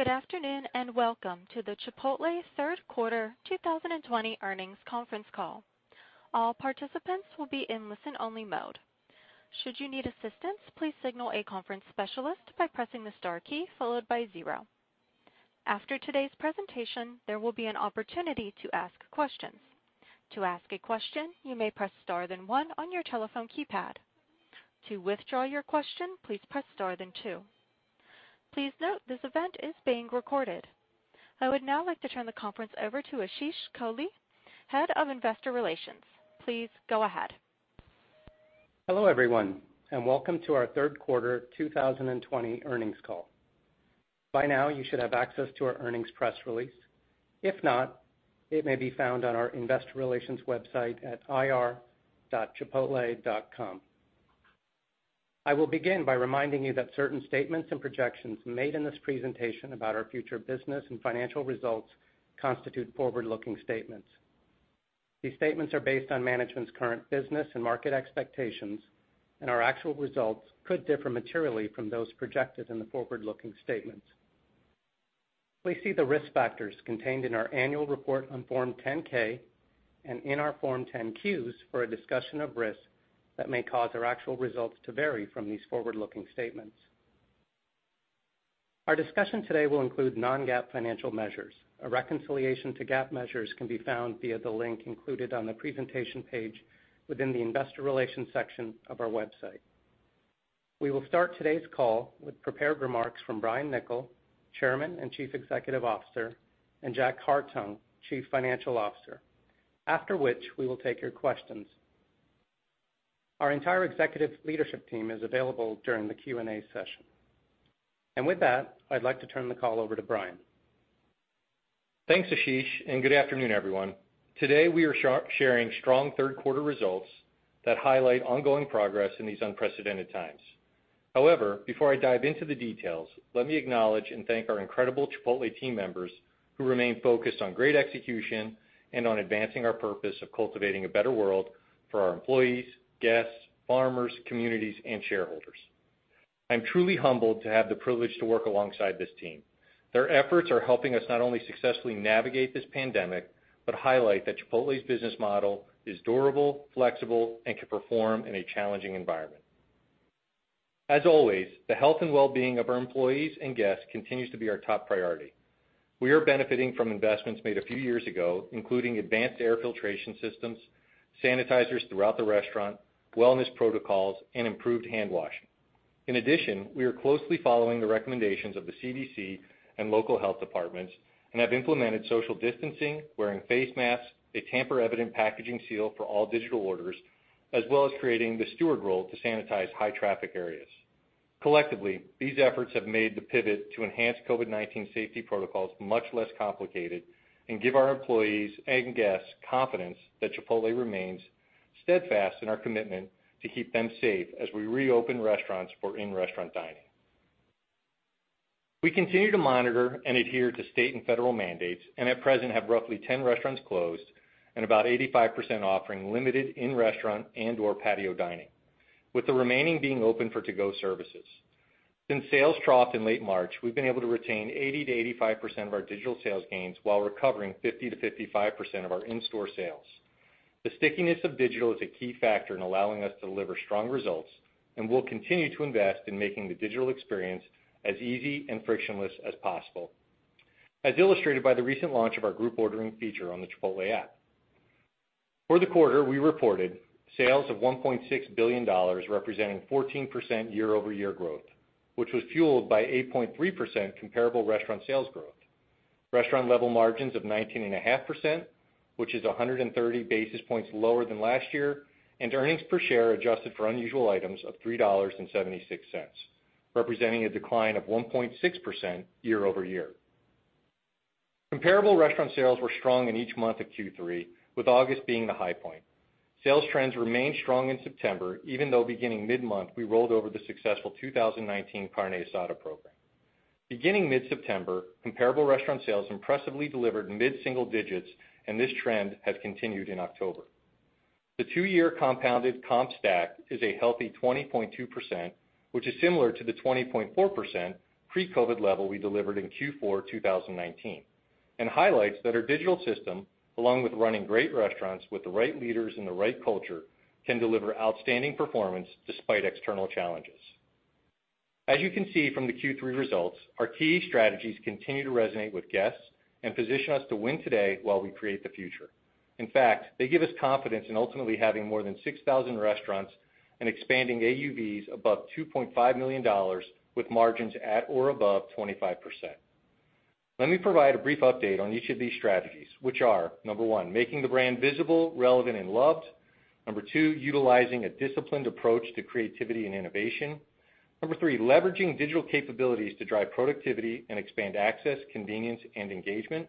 Good afternoon, welcome to the Chipotle third quarter 2020 earnings conference call. All participants will be in listen only mode. Should you need assistance please signal a conference specialist by pressing the star key followed by zero. After today's presentation their will, be an opportunity to ask question. To ask a question you may press star then one on your telephone keypad. To withdraw your question please press star then two. Please note this event is being recorded. I would now like to turn the conference over to Ashish Kohli, Head of Investor Relations. Please go ahead. Hello, everyone, and welcome to our third quarter 2020 earnings call. By now, you should have access to our earnings press release. If not, it may be found on our investor relations website at ir.chipotle.com. I will begin by reminding you that certain statements and projections made in this presentation about our future business and financial results constitute forward-looking statements. These statements are based on management's current business and market expectations, and our actual results could differ materially from those projected in the forward-looking statements. Please see the risk factors contained in our annual report on Form 10-K and in our Form 10-Qs for a discussion of risks that may cause our actual results to vary from these forward-looking statements. Our discussion today will include non-GAAP financial measures. A reconciliation to GAAP measures can be found via the link included on the presentation page within the investor relations section of our website. We will start today's call with prepared remarks from Brian Niccol, Chairman and Chief Executive Officer, and Jack Hartung, Chief Financial Officer, after which we will take your questions. Our entire executive leadership team is available during the Q&A session. With that, I'd like to turn the call over to Brian. Thanks, Ashish, and good afternoon, everyone. Today, we are sharing strong third quarter results that highlight ongoing progress in these unprecedented times. However, before I dive into the details, let me acknowledge and thank our incredible Chipotle team members who remain focused on great execution and on advancing our purpose of cultivating a better world for our employees, guests, farmers, communities, and shareholders. I'm truly humbled to have the privilege to work alongside this team. Their efforts are helping us not only successfully navigate this pandemic, but highlight that Chipotle's business model is durable, flexible, and can perform in a challenging environment. As always, the health and wellbeing of our employees and guests continues to be our top priority. We are benefiting from investments made a few years ago, including advanced air filtration systems, sanitizers throughout the restaurant, wellness protocols, and improved handwashing. In addition, we are closely following the recommendations of the CDC and local health departments and have implemented social distancing, wearing face masks, a tamper-evident packaging seal for all digital orders, as well as creating the steward role to sanitize high-traffic areas. Collectively, these efforts have made the pivot to enhance COVID-19 safety protocols much less complicated and give our employees and guests confidence that Chipotle remains steadfast in our commitment to keep them safe as we reopen restaurants for in-restaurant dining. We continue to monitor and adhere to state and federal mandates and at present have roughly 10 restaurants closed and about 85% offering limited in-restaurant and/or patio dining, with the remaining being open for to-go services. Since sales troughed in late March, we've been able to retain 80%-85% of our digital sales gains while recovering 50%-55% of our in-store sales. The stickiness of digital is a key factor in allowing us to deliver strong results, and we'll continue to invest in making the digital experience as easy and frictionless as possible, as illustrated by the recent launch of our group ordering feature on the Chipotle app. For the quarter, we reported sales of $1.6 billion, representing 14% year-over-year growth, which was fueled by 8.3% comparable restaurant sales growth. Restaurant level margins of 19.5%, which is 130 basis points lower than last year, and earnings per share adjusted for unusual items of $3.76, representing a decline of 1.6% year-over-year. Comparable restaurant sales were strong in each month of Q3, with August being the high point. Sales trends remained strong in September, even though beginning mid-month, we rolled over the successful 2019 Carne Asada program. Beginning mid-September, comparable restaurant sales impressively delivered mid-single digits. This trend has continued in October. The two-year compounded comp stack is a healthy 20.2%, which is similar to the 20.4% pre-COVID level we delivered in Q4 2019 and highlights that our digital system, along with running great restaurants with the right leaders and the right culture, can deliver outstanding performance despite external challenges. As you can see from the Q3 results, our key strategies continue to resonate with guests and position us to win today while we create the future. In fact, they give us confidence in ultimately having more than 6,000 restaurants and expanding AUVs above $2.5 million with margins at or above 25%. Let me provide a brief update on each of these strategies, which are, number one, making the brand visible, relevant, and loved. Number two, utilizing a disciplined approach to creativity and innovation. Number three, leveraging digital capabilities to drive productivity and expand access, convenience, and engagement.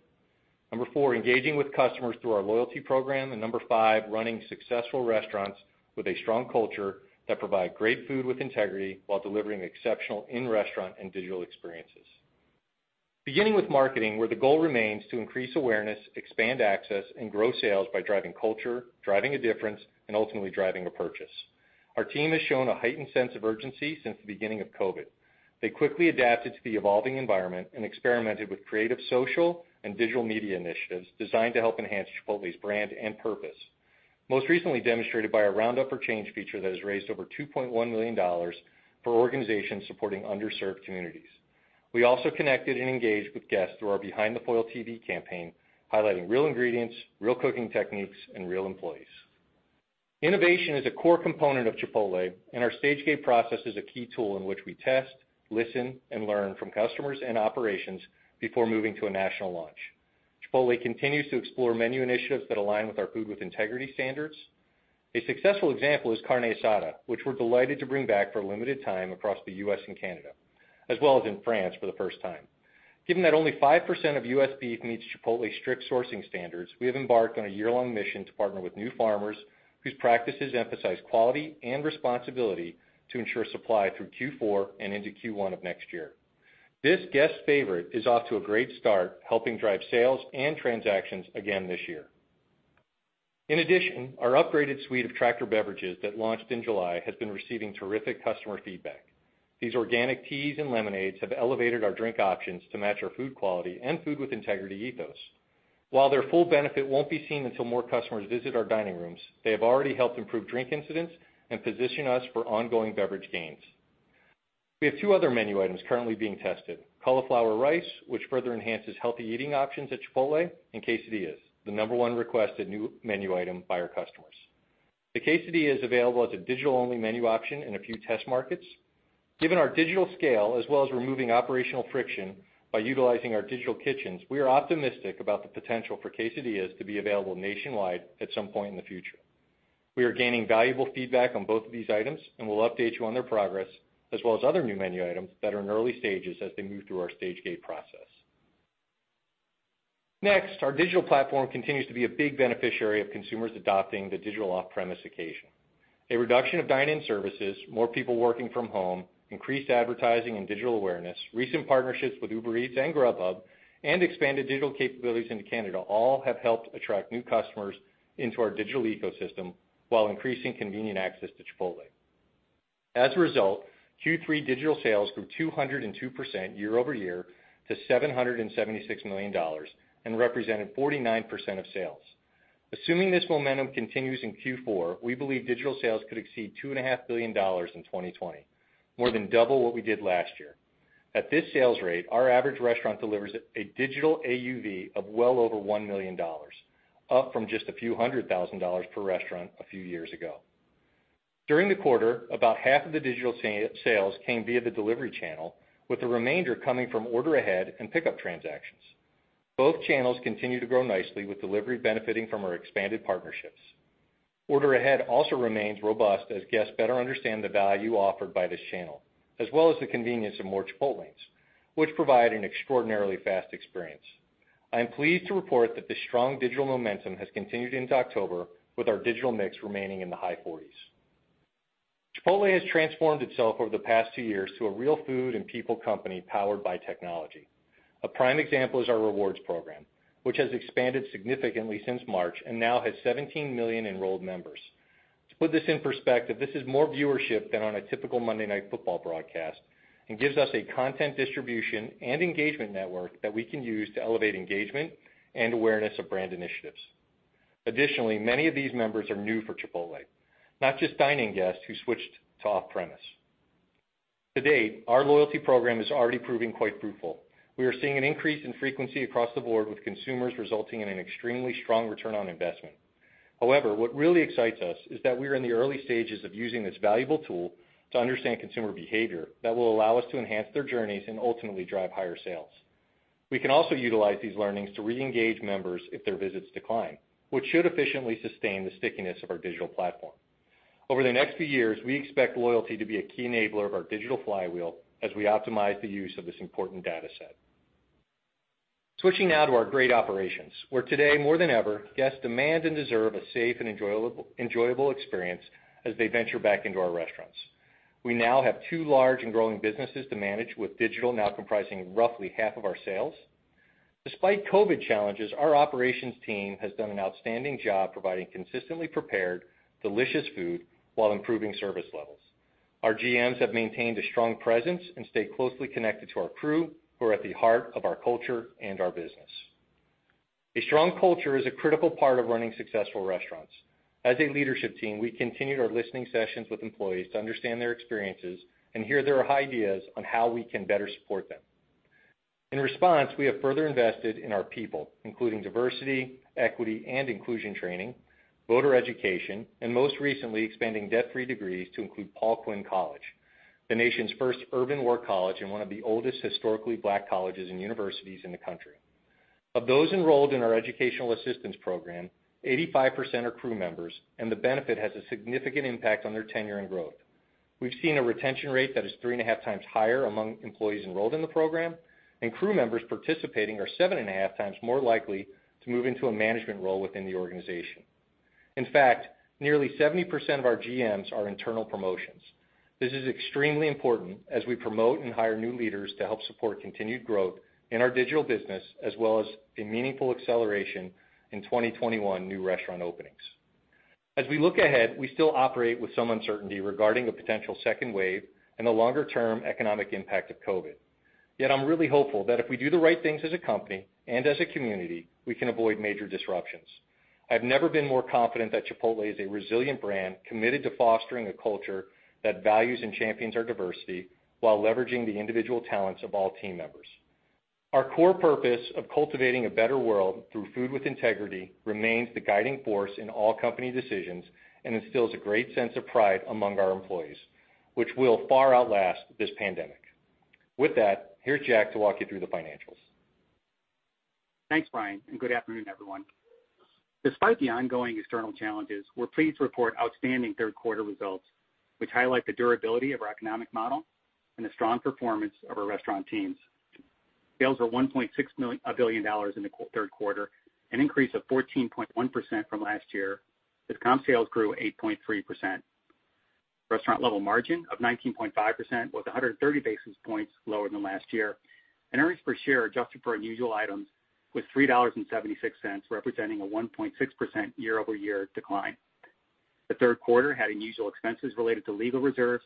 Number four, engaging with customers through our loyalty program. Number five, running successful restaurants with a strong culture that provide great Food with Integrity while delivering exceptional in-restaurant and digital experiences. Beginning with marketing, where the goal remains to increase awareness, expand access, and grow sales by driving culture, driving a difference, and ultimately driving a purchase. Our team has shown a heightened sense of urgency since the beginning of COVID. They quickly adapted to the evolving environment and experimented with creative social and digital media initiatives designed to help enhance Chipotle's brand and purpose. Most recently demonstrated by our Round Up for Real Change feature that has raised over $2.1 million for organizations supporting underserved communities. We also connected and engaged with guests through our Behind the Foil TV campaign, highlighting real ingredients, real cooking techniques, and real employees. Innovation is a core component of Chipotle. Our Stage-Gate process is a key tool in which we test, listen, and learn from customers and operations before moving to a national launch. Chipotle continues to explore menu initiatives that align with our Food with Integrity standards. A successful example is Carne Asada, which we're delighted to bring back for a limited time across the U.S. and Canada, as well as in France for the first time. Given that only 5% of U.S. beef meets Chipotle's strict sourcing standards, we have embarked on a year-long mission to partner with new farmers whose practices emphasize quality and responsibility to ensure supply through Q4 and into Q1 of next year. This guest favorite is off to a great start, helping drive sales and transactions again this year. In addition, our upgraded suite of Tractor beverages that launched in July has been receiving terrific customer feedback. These organic teas and lemonades have elevated our drink options to match our food quality and Food with Integrity ethos. While their full benefit won't be seen until more customers visit our dining rooms, they have already helped improve drink incidents and position us for ongoing beverage gains. We have two other menu items currently being tested. cauliflower rice, which further enhances healthy eating options at Chipotle, and quesadillas, the number one requested new menu item by our customers. The quesadilla is available as a digital-only menu option in a few test markets. Given our digital scale, as well as removing operational friction by utilizing our digital kitchens, we are optimistic about the potential for quesadillas to be available nationwide at some point in the future. We are gaining valuable feedback on both of these items, and will update you on their progress, as well as other new menu items that are in early stages as they move through our Stage-Gate process. Our digital platform continues to be a big beneficiary of consumers adopting the digital off-premise occasion. A reduction of dine-in services, more people working from home, increased advertising and digital awareness, recent partnerships with Uber Eats and Grubhub, and expanded digital capabilities into Canada all have helped attract new customers into our digital ecosystem while increasing convenient access to Chipotle. As a result, Q3 digital sales grew 202% year-over-year to $776 million and represented 49% of sales. Assuming this momentum continues in Q4, we believe digital sales could exceed $2.5 billion in 2020, more than double what we did last year. At this sales rate, our average restaurant delivers a digital AUV of well over $1 million, up from just a few hundred thousand dollars per restaurant a few years ago. During the quarter, about half of the digital sales came via the delivery channel, with the remainder coming from order ahead and pickup transactions. Both channels continue to grow nicely, with delivery benefiting from our expanded partnerships. Order ahead also remains robust as guests better understand the value offered by this channel, as well as the convenience of more Chipotles, which provide an extraordinarily fast experience. I am pleased to report that the strong digital momentum has continued into October with our digital mix remaining in the high 40s. Chipotle has transformed itself over the past two years to a real food and people company powered by technology. A prime example is our rewards program, which has expanded significantly since March and now has 17 million enrolled members. To put this in perspective, this is more viewership than on a typical Monday Night Football broadcast and gives us a content distribution and engagement network that we can use to elevate engagement and awareness of brand initiatives. Additionally, many of these members are new for Chipotle, not just dine-in guests who switched to off-premise. To date, our loyalty program is already proving quite fruitful. We are seeing an increase in frequency across the board with consumers, resulting in an extremely strong return on investment. However, what really excites us is that we are in the early stages of using this valuable tool to understand consumer behavior that will allow us to enhance their journeys and ultimately drive higher sales. We can also utilize these learnings to reengage members if their visits decline, which should efficiently sustain the stickiness of our digital platform. Over the next few years, we expect loyalty to be a key enabler of our digital flywheel as we optimize the use of this important data set. Switching now to our great operations, where today more than ever, guests demand and deserve a safe and enjoyable experience as they venture back into our restaurants. We now have two large and growing businesses to manage, with digital now comprising roughly half of our sales. Despite COVID challenges, our operations team has done an outstanding job providing consistently prepared, delicious food while improving service levels. Our GMs have maintained a strong presence and stay closely connected to our crew, who are at the heart of our culture and our business. A strong culture is a critical part of running successful restaurants. As a leadership team, we continued our listening sessions with employees to understand their experiences and hear their ideas on how we can better support them. In response, we have further invested in our people, including diversity, equity, and inclusion training, voter education, and most recently, expanding Debt-Free Degrees to include Paul Quinn College, the nation's first urban work college and one of the oldest historically Black colleges and universities in the country. Of those enrolled in our educational assistance program, 85% are crew members, and the benefit has a significant impact on their tenure and growth. We've seen a retention rate that is three and a half times higher among employees enrolled in the program, and crew members participating are seven and a half times more likely to move into a management role within the organization. In fact, nearly 70% of our GMs are internal promotions. This is extremely important as we promote and hire new leaders to help support continued growth in our digital business, as well as a meaningful acceleration in 2021 new restaurant openings. As we look ahead, we still operate with some uncertainty regarding a potential second wave and the longer-term economic impact of COVID-19. Yet I'm really hopeful that if we do the right things as a company and as a community, we can avoid major disruptions. I've never been more confident that Chipotle is a resilient brand, committed to fostering a culture that values and champions our diversity while leveraging the individual talents of all team members. Our core purpose of cultivating a better world through Food with Integrity remains the guiding force in all company decisions and instills a great sense of pride among our employees, which will far outlast this pandemic. With that, here's Jack to walk you through the financials. Thanks, Brian. Good afternoon, everyone. Despite the ongoing external challenges, we're pleased to report outstanding third quarter results, which highlight the durability of our economic model and the strong performance of our restaurant teams. Sales were $1.6 billion in the third quarter, an increase of 14.1% from last year, with comp sales grew 8.3%. Restaurant level margin of 19.5% was 130 basis points lower than last year. Earnings per share, adjusted for unusual items, was $3.76, representing a 1.6% year-over-year decline. The third quarter had unusual expenses related to legal reserves,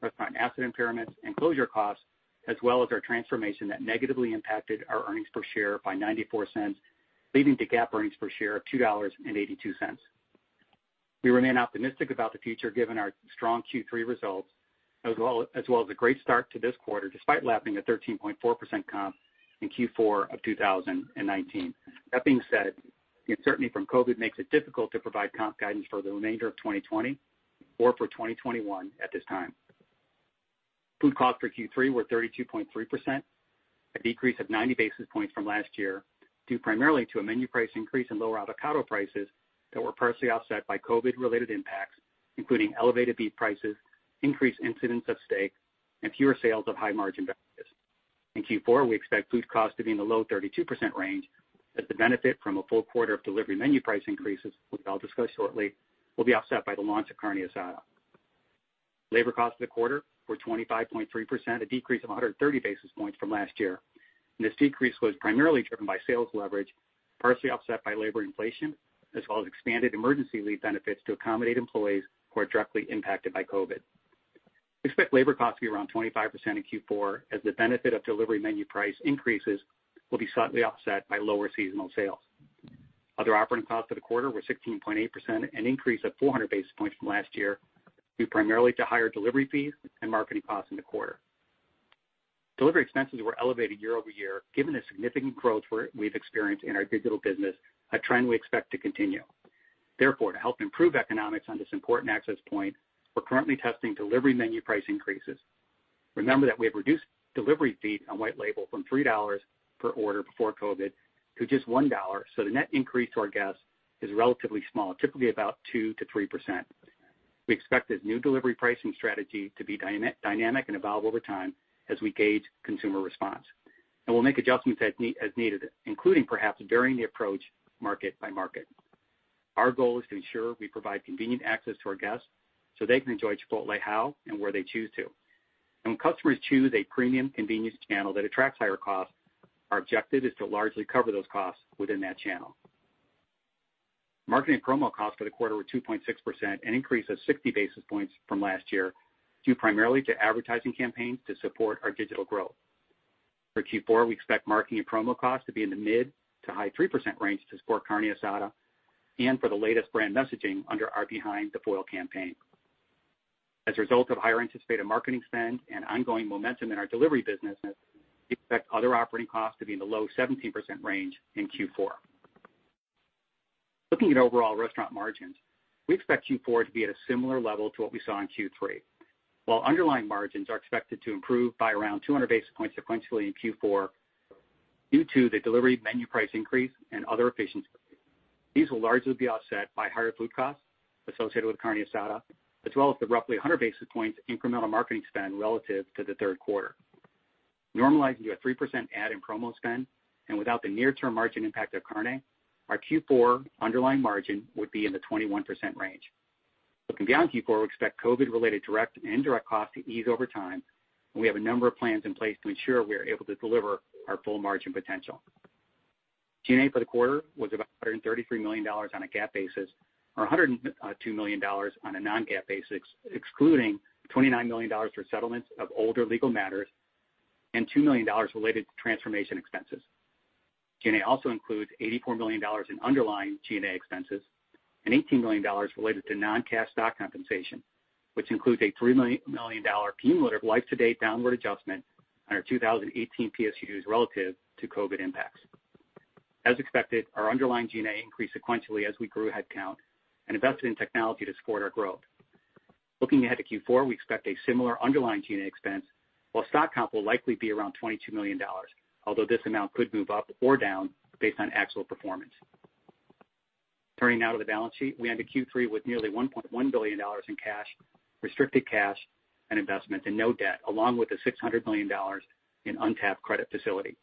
restaurant asset impairments, and closure costs, as well as our transformation that negatively impacted our earnings per share by $0.94, leading to GAAP earnings per share of $2.82. We remain optimistic about the future, given our strong Q3 results, as well as a great start to this quarter, despite lapping a 13.4% comp in Q4 of 2019. That being said, the uncertainty from COVID makes it difficult to provide comp guidance for the remainder of 2020 or for 2021 at this time. Food costs for Q3 were 32.3%, a decrease of 90 basis points from last year, due primarily to a menu price increase and lower avocado prices that were partially offset by COVID related impacts, including elevated beef prices, increased incidents of steak, and fewer sales of high margin beverages. In Q4, we expect food cost to be in the low 32% range, as the benefit from a full quarter of delivery menu price increases, which I'll discuss shortly, will be offset by the launch of Carne Asada. Labor costs for the quarter were 25.3%, a decrease of 130 basis points from last year. This decrease was primarily driven by sales leverage, partially offset by labor inflation, as well as expanded emergency leave benefits to accommodate employees who are directly impacted by COVID-19. We expect labor cost to be around 25% in Q4, as the benefit of delivery menu price increases will be slightly offset by lower seasonal sales. Other operating costs for the quarter were 16.8%, an increase of 400 basis points from last year, due primarily to higher delivery fees and marketing costs in the quarter. Delivery expenses were elevated year-over-year, given the significant growth we've experienced in our digital business, a trend we expect to continue. Therefore, to help improve economics on this important access point, we're currently testing delivery menu price increases. Remember that we have reduced delivery fees on white label from $3/order before COVID to just $1, so the net increase to our guests is relatively small, typically about 2%-3%. We expected new delivery pricing strategy to be dynamic and evolve over time as we gauge consumer response. We'll make adjustments as needed, including perhaps varying the approach market by market. Our goal is to ensure we provide convenient access to our guests so they can enjoy Chipotle how and where they choose to. When customers choose a premium convenience channel that attracts higher costs, our objective is to largely cover those costs within that channel. Marketing and promo costs for the quarter were 2.6%, an increase of 60 basis points from last year, due primarily to advertising campaigns to support our digital growth. For Q4, we expect marketing and promo costs to be in the mid to high 3% range to support Carne Asada and for the latest brand messaging under our Behind the Foil campaign. As a result of higher anticipated marketing spend and ongoing momentum in our delivery business, we expect other operating costs to be in the low 17% range in Q4. Looking at overall restaurant margins, we expect Q4 to be at a similar level to what we saw in Q3. While underlying margins are expected to improve by around 200 basis points sequentially in Q4 due to the delivery menu price increase and other efficiencies. These will largely be offset by higher food costs associated with Carne Asada, as well as the roughly 100 basis points incremental marketing spend relative to the third quarter. Normalizing to a 3% ad and promo spend, and without the near-term margin impact of Carne, our Q4 underlying margin would be in the 21% range. Looking beyond Q4, we expect COVID related direct and indirect costs to ease over time, and we have a number of plans in place to ensure we are able to deliver our full margin potential. G&A for the quarter was about $133 million on a GAAP basis, or $102 million on a non-GAAP basis, excluding $29 million for settlements of older legal matters and $2 million related to transformation expenses. G&A also includes $84 million in underlying G&A expenses and $18 million related to non-cash stock compensation, which includes a $3 million cumulative year-to-date downward adjustment on our 2018 PSUs relative to COVID impacts. As expected, our underlying G&A increased sequentially as we grew headcount and invested in technology to support our growth. Looking ahead to Q4, we expect a similar underlying G&A expense, while stock comp will likely be around $22 million. Although this amount could move up or down based on actual performance. Turning now to the balance sheet. We ended Q3 with nearly $1.1 billion in cash, restricted cash, and investments and no debt, along with a $600 million in untapped credit facility.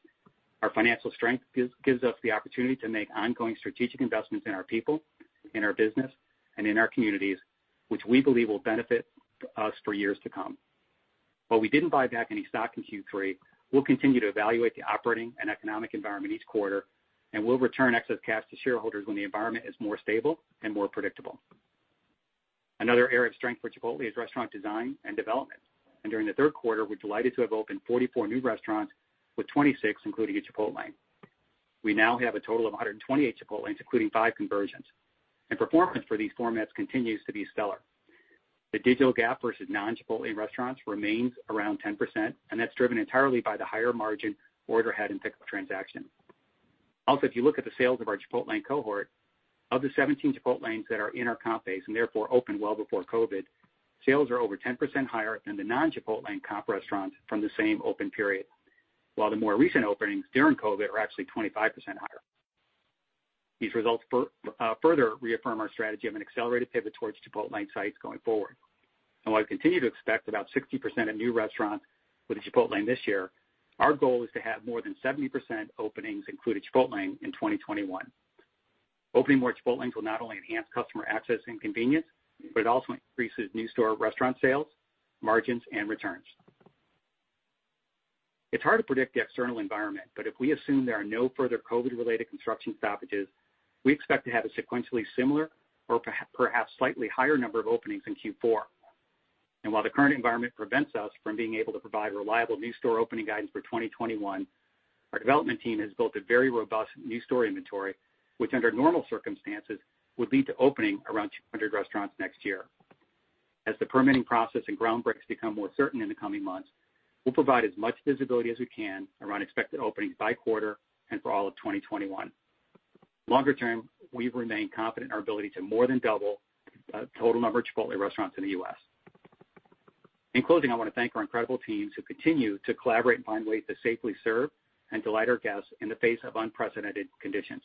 Our financial strength gives us the opportunity to make ongoing strategic investments in our people, in our business, and in our communities, which we believe will benefit us for years to come. While we didn't buy back any stock in Q3, we'll continue to evaluate the operating and economic environment each quarter, and we'll return excess cash to shareholders when the environment is more stable and more predictable. Another area of strength for Chipotle is restaurant design and development. During the third quarter, we're delighted to have opened 44 new restaurants, with 26 including a Chipotlane. We now have a total of 128 Chipotlanes, including five conversions. Performance for these formats continues to be stellar. The digital gap versus non-Chipotlane restaurants remains around 10%, and that's driven entirely by the higher margin order ahead and pick up transaction. Also, if you look at the sales of our Chipotlane cohort, of the 17 Chipotlanes that are in our comp base, and therefore opened well before COVID, sales are over 10% higher than the non-Chipotlane comp restaurant from the same open period. While the more recent openings during COVID are actually 25% higher. These results further reaffirm our strategy of an accelerated pivot towards Chipotlane sites going forward. While we continue to expect about 60% of new restaurants with a Chipotlane this year, our goal is to have more than 70% openings include a Chipotlane in 2021. Opening more Chipotlanes will not only enhance customer access and convenience, but it also increases new store restaurant sales, margins, and returns. It's hard to predict the external environment, but if we assume there are no further COVID related construction stoppages, we expect to have a sequentially similar or perhaps slightly higher number of openings in Q4. While the current environment prevents us from being able to provide reliable new store opening guidance for 2021, our development team has built a very robust new store inventory, which under normal circumstances, would lead to opening around 200 restaurants next year. As the permitting process and ground breaks become more certain in the coming months, we'll provide as much visibility as we can around expected openings by quarter and for all of 2021. Longer term, we remain confident in our ability to more than double total number of Chipotle restaurants in the U.S. In closing, I want to thank our incredible teams who continue to collaborate and find ways to safely serve and delight our guests in the face of unprecedented conditions.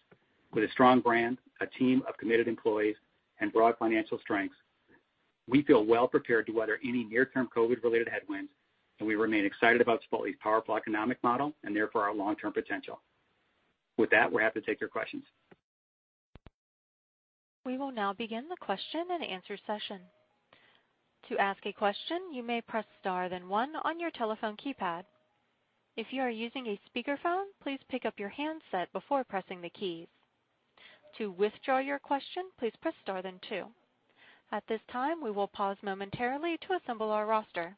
With a strong brand, a team of committed employees, and broad financial strengths, we feel well prepared to weather any near-term COVID related headwinds, and we remain excited about Chipotle's powerful economic model and therefore our long-term potential. With that, we're happy to take your questions. We will now begin the question-and-answer session. To ask a question you may press star then one on your telephone keypad. If you are using a speaker phone please pick up your handset before pressing the key. To withdraw the question please press star then two. At this time, we will pause momentarily to assemble our roster.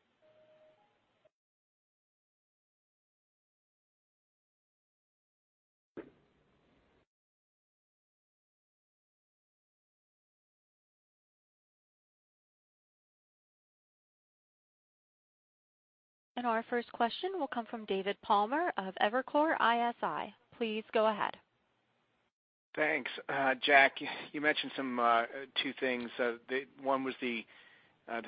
Our first question will come from David Palmer of Evercore ISI. Please go ahead. Thanks. Jack, you mentioned some two things. One was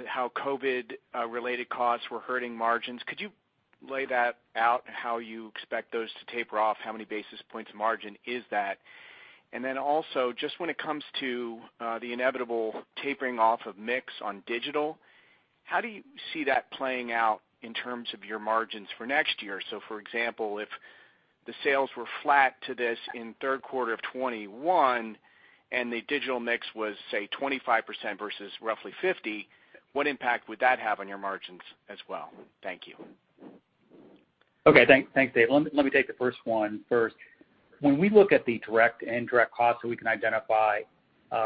how COVID related costs were hurting margins. Could you lay that out and how you expect those to taper off? How many basis points margin is that? Also, just when it comes to the inevitable tapering off of mix on digital, how do you see that playing out in terms of your margins for next year? For example, if the sales were flat to this in third quarter of 2021 and the digital mix was, say, 25% versus roughly 50%, what impact would that have on your margins as well? Thank you. Okay. Thanks, David. Let me take the first one first. When we look at the direct and indirect costs that we can identify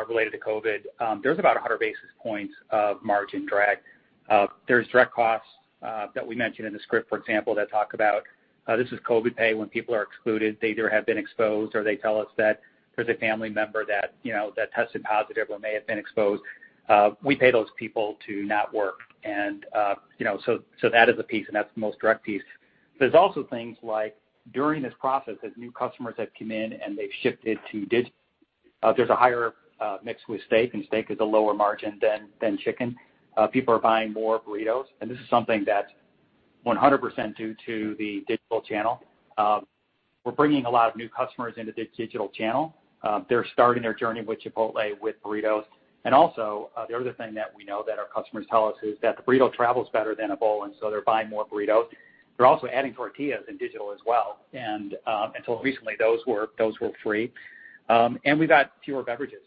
related to COVID, there's about 100 basis points of margin drag. There's direct costs that we mentioned in the script, for example, that talk about, this is COVID pay. When people are excluded, they either have been exposed or they tell us that there's a family member that tested positive or may have been exposed. We pay those people to not work. That is a piece, and that's the most direct piece. There's also things like during this process, as new customers have come in and they've shifted to there's a higher mix with steak, and steak is a lower margin than chicken. People are buying more burritos. This is something that's 100% due to the digital channel. We're bringing a lot of new customers into the digital channel. They're starting their journey with Chipotle with burritos. The other thing that we know that our customers tell us is that the burrito travels better than a bowl. They're buying more burritos. They're also adding tortillas in digital as well. Until recently, those were free. We got fewer beverages.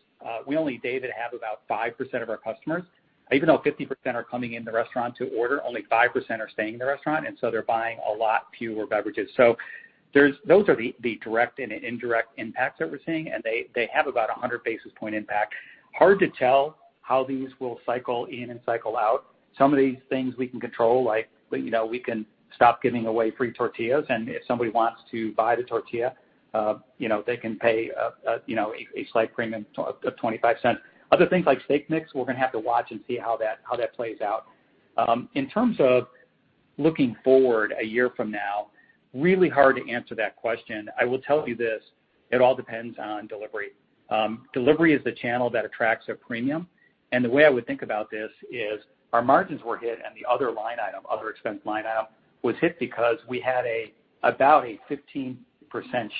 We only, David, have about 5% of our customers. Even though 50% are coming in the restaurant to order, only 5% are staying in the restaurant. They're buying a lot fewer beverages. Those are the direct and indirect impacts that we're seeing. They have about 100 basis point impact. Hard to tell how these will cycle in and cycle out. Some of these things we can control, like we can stop giving away free tortillas, and if somebody wants to buy the tortilla, they can pay a slight premium of $0.25. Other things like steak mix, we're going to have to watch and see how that plays out. In terms of looking forward a year from now, really hard to answer that question. I will tell you this, it all depends on delivery. Delivery is the channel that attracts a premium, and the way I would think about this is our margins were hit and the other line item, other expense line item, was hit because we had about a 15%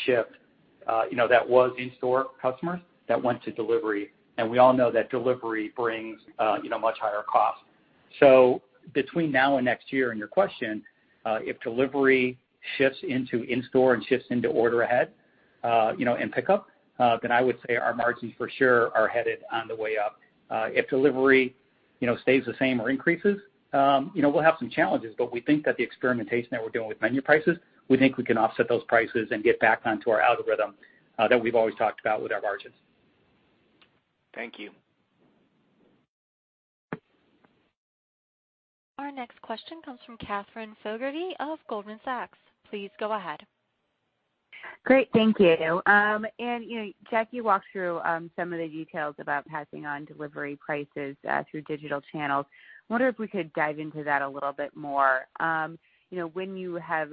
shift that was in-store customers that went to delivery, and we all know that delivery brings much higher cost. Between now and next year in your question, if delivery shifts into in-store and shifts into order ahead, and pickup, then I would say our margins for sure are headed on the way up. If delivery stays the same or increases, we'll have some challenges, but we think that the experimentation that we're doing with menu prices, we think we can offset those prices and get back onto our algorithm that we've always talked about with our margins. Thank you. Our next question comes from Katherine Fogertey of Goldman Sachs. Please go ahead. Great. Thank you. Jack, you walked through some of the details about passing on delivery prices through digital channels. I wonder if we could dive into that a little bit more. When you have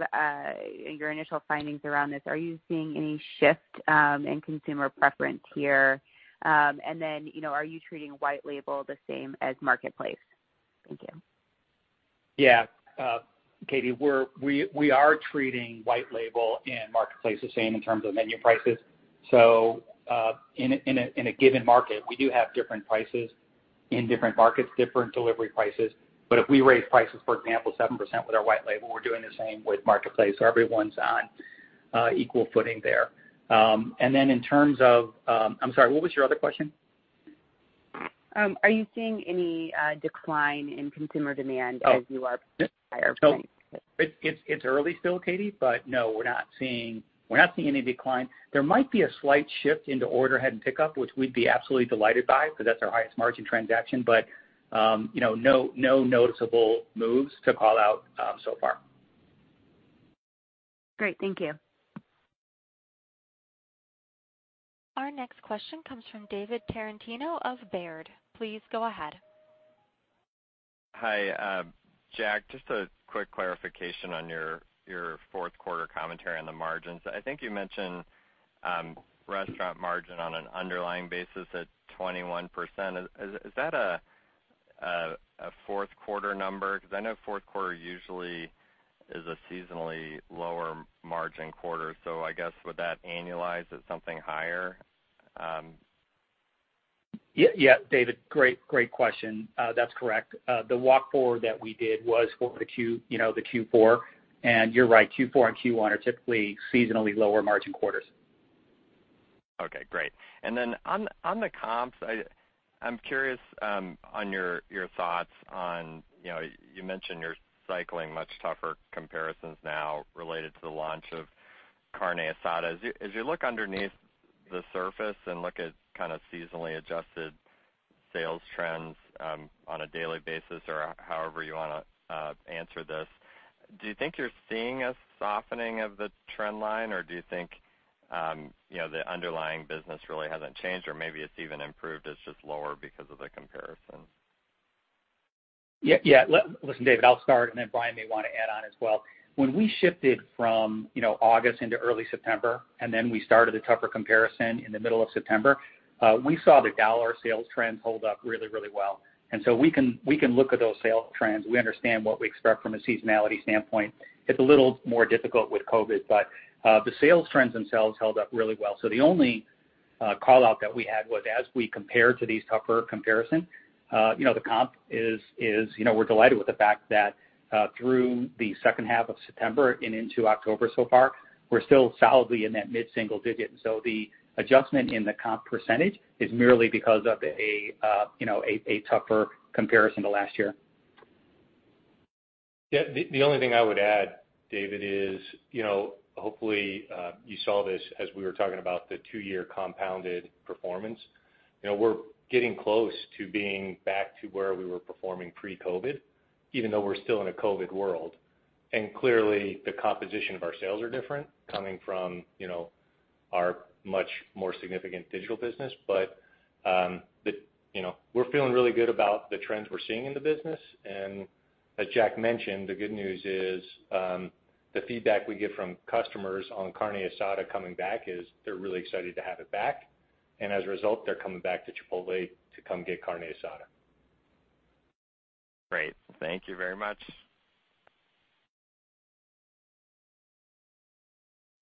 your initial findings around this, are you seeing any shift in consumer preference here? Then, are you treating white label the same as marketplace? Thank you. Yeah Kathy, we are treating white label and marketplace the same in terms of menu prices. In a given market, we do have different prices in different markets, different delivery prices. If we raise prices, for example, 7% with our white label, we're doing the same with marketplace. Everyone's on equal footing there. I'm sorry, what was your other question? Are you seeing any decline in consumer demand as you are higher prices? It's early still, Kathy, but no, we're not seeing any decline. There might be a slight shift into order ahead and pickup, which we'd be absolutely delighted by, because that's our highest margin transaction. No noticeable moves to call out so far. Great. Thank you. Our next question comes from David Tarantino of Baird. Please go ahead. Hi, Jack. Just a quick clarification on your fourth quarter commentary on the margins. I think you mentioned restaurant margin on an underlying basis at 21%. Is that a fourth quarter number? I know fourth quarter usually is a seasonally lower margin quarter. I guess, would that annualize at something higher? Yeah, David. Great question. That's correct. The walk forward that we did was for the Q4. You're right, Q4 and Q1 are typically seasonally lower margin quarters. Okay, great. On the comps, I'm curious on your thoughts on, you mentioned you're cycling much tougher comparisons now related to the launch of Carne Asada. As you look underneath the surface and look at kind of seasonally adjusted sales trends on a daily basis or however you want to answer this, do you think you're seeing a softening of the trend line, or do you think the underlying business really hasn't changed or maybe it's even improved, it's just lower because of the comparisons? Yeah. Listen, David, I'll start and then Brian may want to add on as well. When we shifted from August into early September, and then we started a tougher comparison in the middle of September, we saw the dollar sales trends hold up really, really well. We can look at those sales trends. We understand what we expect from a seasonality standpoint. It's a little more difficult with COVID, but the sales trends themselves held up really well. The only call-out that we had was as we compared to these tougher comparison, the comp is we're delighted with the fact that through the second half of September and into October so far, we're still solidly in that mid-single digit. The adjustment in the comp percentage is merely because of a tougher comparison to last year. Yeah. The only thing I would add, David, is hopefully, you saw this as we were talking about the two-year compounded performance. We're getting close to being back to where we were performing pre-COVID, even though we're still in a COVID world. Clearly, the composition of our sales are different coming from our much more significant digital business. We're feeling really good about the trends we're seeing in the business, and as Jack mentioned, the good news is, the feedback we get from customers on Carne Asada coming back is they're really excited to have it back. As a result, they're coming back to Chipotle to come get Carne Asada. Great. Thank you very much.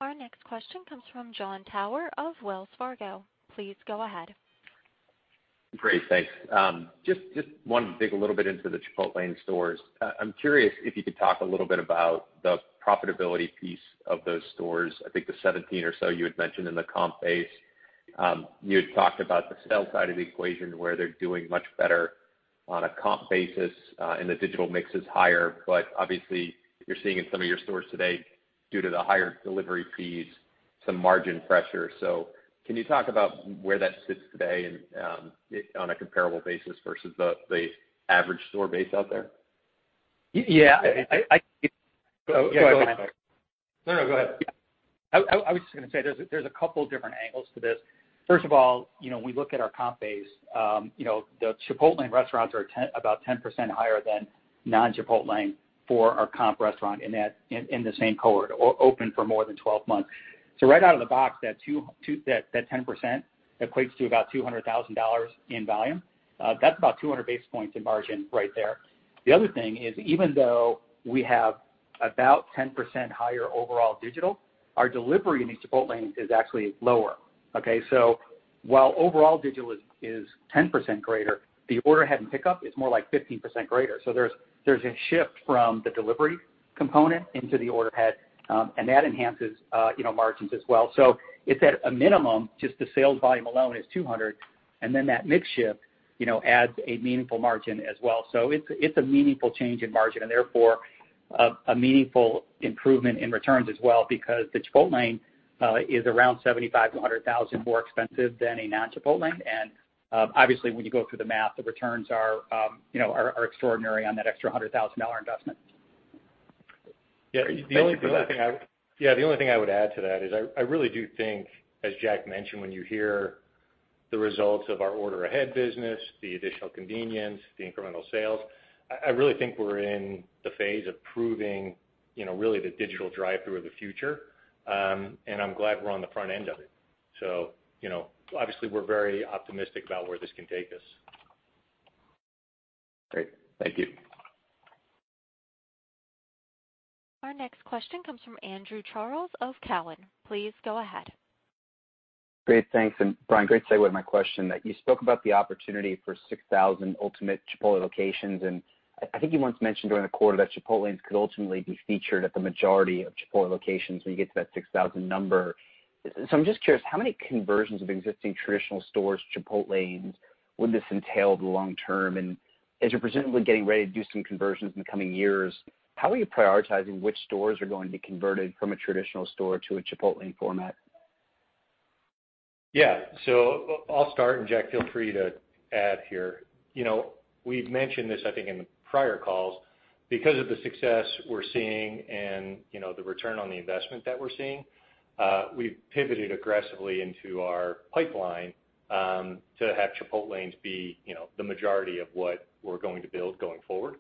Our next question comes from Jon Tower of Wells Fargo. Please go ahead. Great. Thanks. Just wanted to dig a little bit into the Chipotlane stores. I'm curious if you could talk a little bit about the profitability piece of those stores. I think the 17 or so you had mentioned in the comp base. You had talked about the sell side of the equation, where they're doing much better on a comp basis, and the digital mix is higher, but obviously you're seeing in some of your stores today, due to the higher delivery fees, some margin pressure. Can you talk about where that sits today and on a comparable basis versus the average store base out there? Yeah. Yeah, go ahead. Sorry. Yeah, go ahead. No, no, go ahead. I was just going to say, there's a couple different angles to this. First of all, we look at our comp base. The Chipotlane restaurants are about 10% higher than non-Chipotlane for our comp restaurant in the same cohort, open for more than 12 months. Right out of the box, that 10% equates to about $200,000 in volume. That's about 200 basis points in margin right there. The other thing is, even though we have about 10% higher overall digital. Our delivery in these Chipotlane is actually lower. Okay, while overall digital is 10% greater, the order ahead and pickup is more like 15% greater. There's a shift from the delivery component into the order ahead, and that enhances margins as well. It's at a minimum, just the sales volume alone is 200, and then that mix shift adds a meaningful margin as well. It's a meaningful change in margin, and therefore, a meaningful improvement in returns as well because the Chipotlane is around $75,000-$100,000 more expensive than a non-Chipotlane. Obviously, when you go through the math, the returns are extraordinary on that extra $100,000 investment. Yeah. The only other thing I would add to that is I really do think, as Jack mentioned, when you hear the results of our order ahead business, the additional convenience, the incremental sales, I really think we're in the phase of proving really the digital drive-thru of the future. I'm glad we're on the front end of it. Obviously we're very optimistic about where this can take us. Great. Thank you. Our next question comes from Andrew Charles of Cowen. Please go ahead. Great, thanks. Brian, great segue to my question that you spoke about the opportunity for 6,000 ultimate Chipotle locations, and I think you once mentioned during the quarter that Chipotlanes could ultimately be featured at the majority of Chipotle locations when you get to that 6,000 number. I'm just curious, how many conversions of existing traditional stores to Chipotlanes would this entail over the long term? As you're presumably getting ready to do some conversions in the coming years, how are you prioritizing which stores are going to be converted from a traditional store to a Chipotlane format? Yeah. I'll start, and Jack, feel free to add here. We've mentioned this, I think, in the prior calls. Because of the success we're seeing and the return on the investment that we're seeing, we've pivoted aggressively into our pipeline, to have Chipotlanes be the majority of what we're going to build going forward.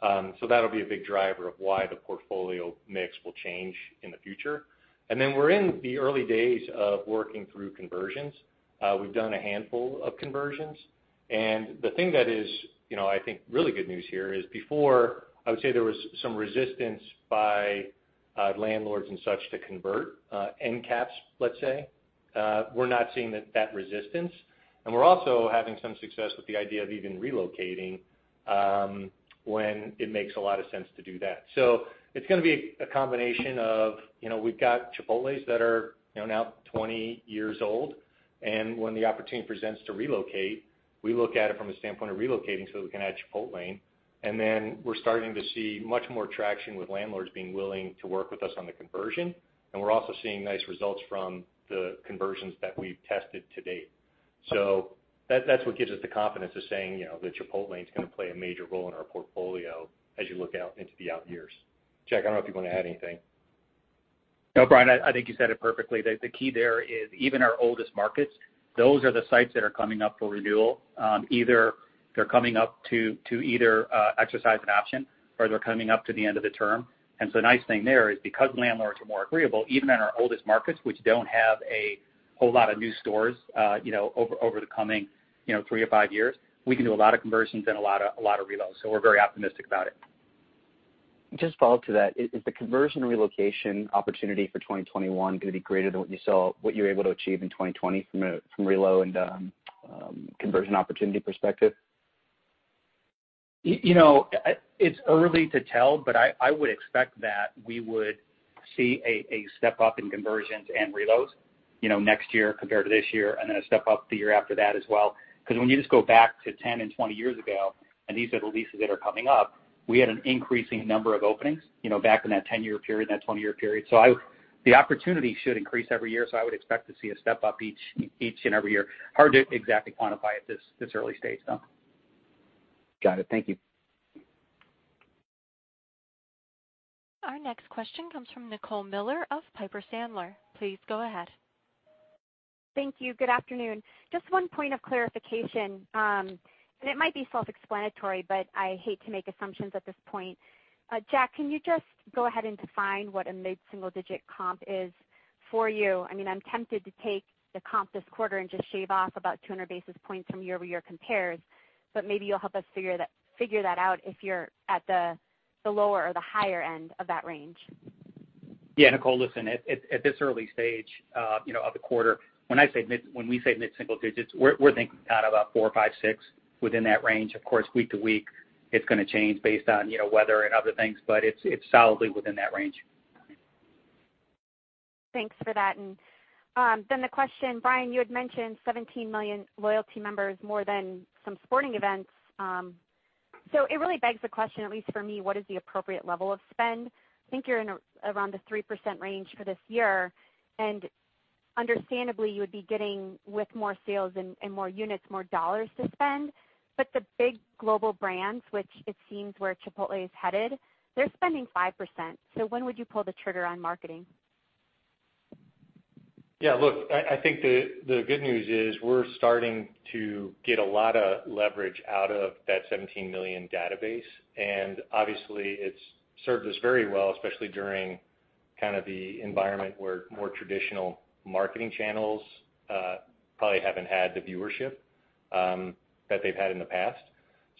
That'll be a big driver of why the portfolio mix will change in the future. We're in the early days of working through conversions. We've done a handful of conversions. The thing that is I think, really good news here is before, I would say there was some resistance by landlords and such to convert end caps, let's say. We're not seeing that resistance. We're also having some success with the idea of even relocating, when it makes a lot of sense to do that. It's going to be a combination of, we've got Chipotle that are now 20 years old, and when the opportunity presents to relocate, we look at it from a standpoint of relocating so that we can add Chipotlane. We're starting to see much more traction with landlords being willing to work with us on the conversion, and we're also seeing nice results from the conversions that we've tested to date. That's what gives us the confidence of saying, the Chipotlane's going to play a major role in our portfolio as you look out into the out years. Jack, I don't know if you want to add anything. No, Brian, I think you said it perfectly. The key there is even our oldest markets, those are the sites that are coming up for renewal. Either they're coming up to either exercise an option or they're coming up to the end of the term. The nice thing there is because landlords are more agreeable, even in our oldest markets, which don't have a whole lot of new stores, over the coming three to five years, we can do a lot of conversions and a lot of reloads. We're very optimistic about it. Just a follow-up to that. Is the conversion relocation opportunity for 2021 going to be greater than what you're able to achieve in 2020 from a reload and conversion opportunity perspective? It's early to tell. I would expect that we would see a step up in conversions and reloads next year compared to this year, and then a step up the year after that as well. When you just go back to 10 and 20 years ago, and these are the leases that are coming up, we had an increasing number of openings back in that 10-year period and that 20-year period. The opportunity should increase every year. I would expect to see a step up each and every year. Hard to exactly quantify at this early stage, though. Got it. Thank you. Our next question comes from Nicole Miller of Piper Sandler. Please go ahead. Thank you. Good afternoon. Just one point of clarification, and it might be self-explanatory, I hate to make assumptions at this point. Jack, can you just go ahead and define what a mid-single digit comp is for you? I'm tempted to take the comp this quarter and just shave off about 200 basis points from year-over-year compares, maybe you'll help us figure that out if you're at the lower or the higher end of that range. Yeah, Nicole. Listen, at this early stage of the quarter, when we say mid-single digits, we're thinking out about 4%, 5%, 6% within that range. Of course, week to week, it's going to change based on weather and other things, but it's solidly within that range. Thanks for that. The question, Brian, you had mentioned 17 million loyalty members more than some sporting events. It really begs the question, at least for me, what is the appropriate level of spend? I think you're in around the 3% range for this year, understandably, you would be getting with more sales and more units, more dollars to spend. The big global brands, which it seems where Chipotle is headed, they're spending 5%. When would you pull the trigger on marketing? Yeah, look, I think the good news is we're starting to get a lot of leverage out of that 17 million database, and obviously, it's served us very well, especially during kind of the environment where more traditional marketing channels probably haven't had the viewership that they've had in the past.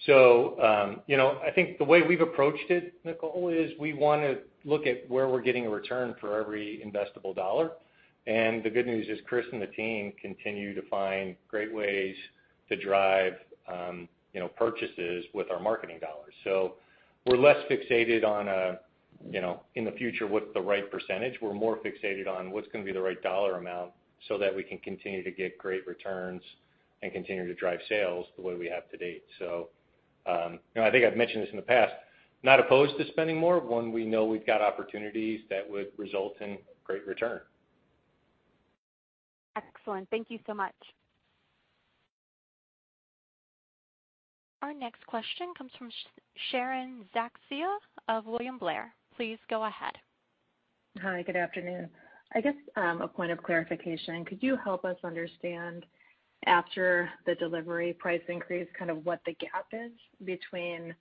I think the way we've approached it, Nicole, is we want to look at where we're getting a return for every investable dollar. The good news is Chris and the team continue to find great ways to drive purchases with our marketing dollars. We're less fixated on, in the future, what's the right percentage. We're more fixated on what's going to be the right dollar amount so that we can continue to get great returns and continue to drive sales the way we have to date. I think I've mentioned this in the past, not opposed to spending more when we know we've got opportunities that would result in great return. Excellent. Thank you so much. Our next question comes from Sharon Zackfia of William Blair. Please go ahead. Hi, good afternoon. I guess, a point of clarification. Could you help us understand after the delivery price increase, kind of what the gap is between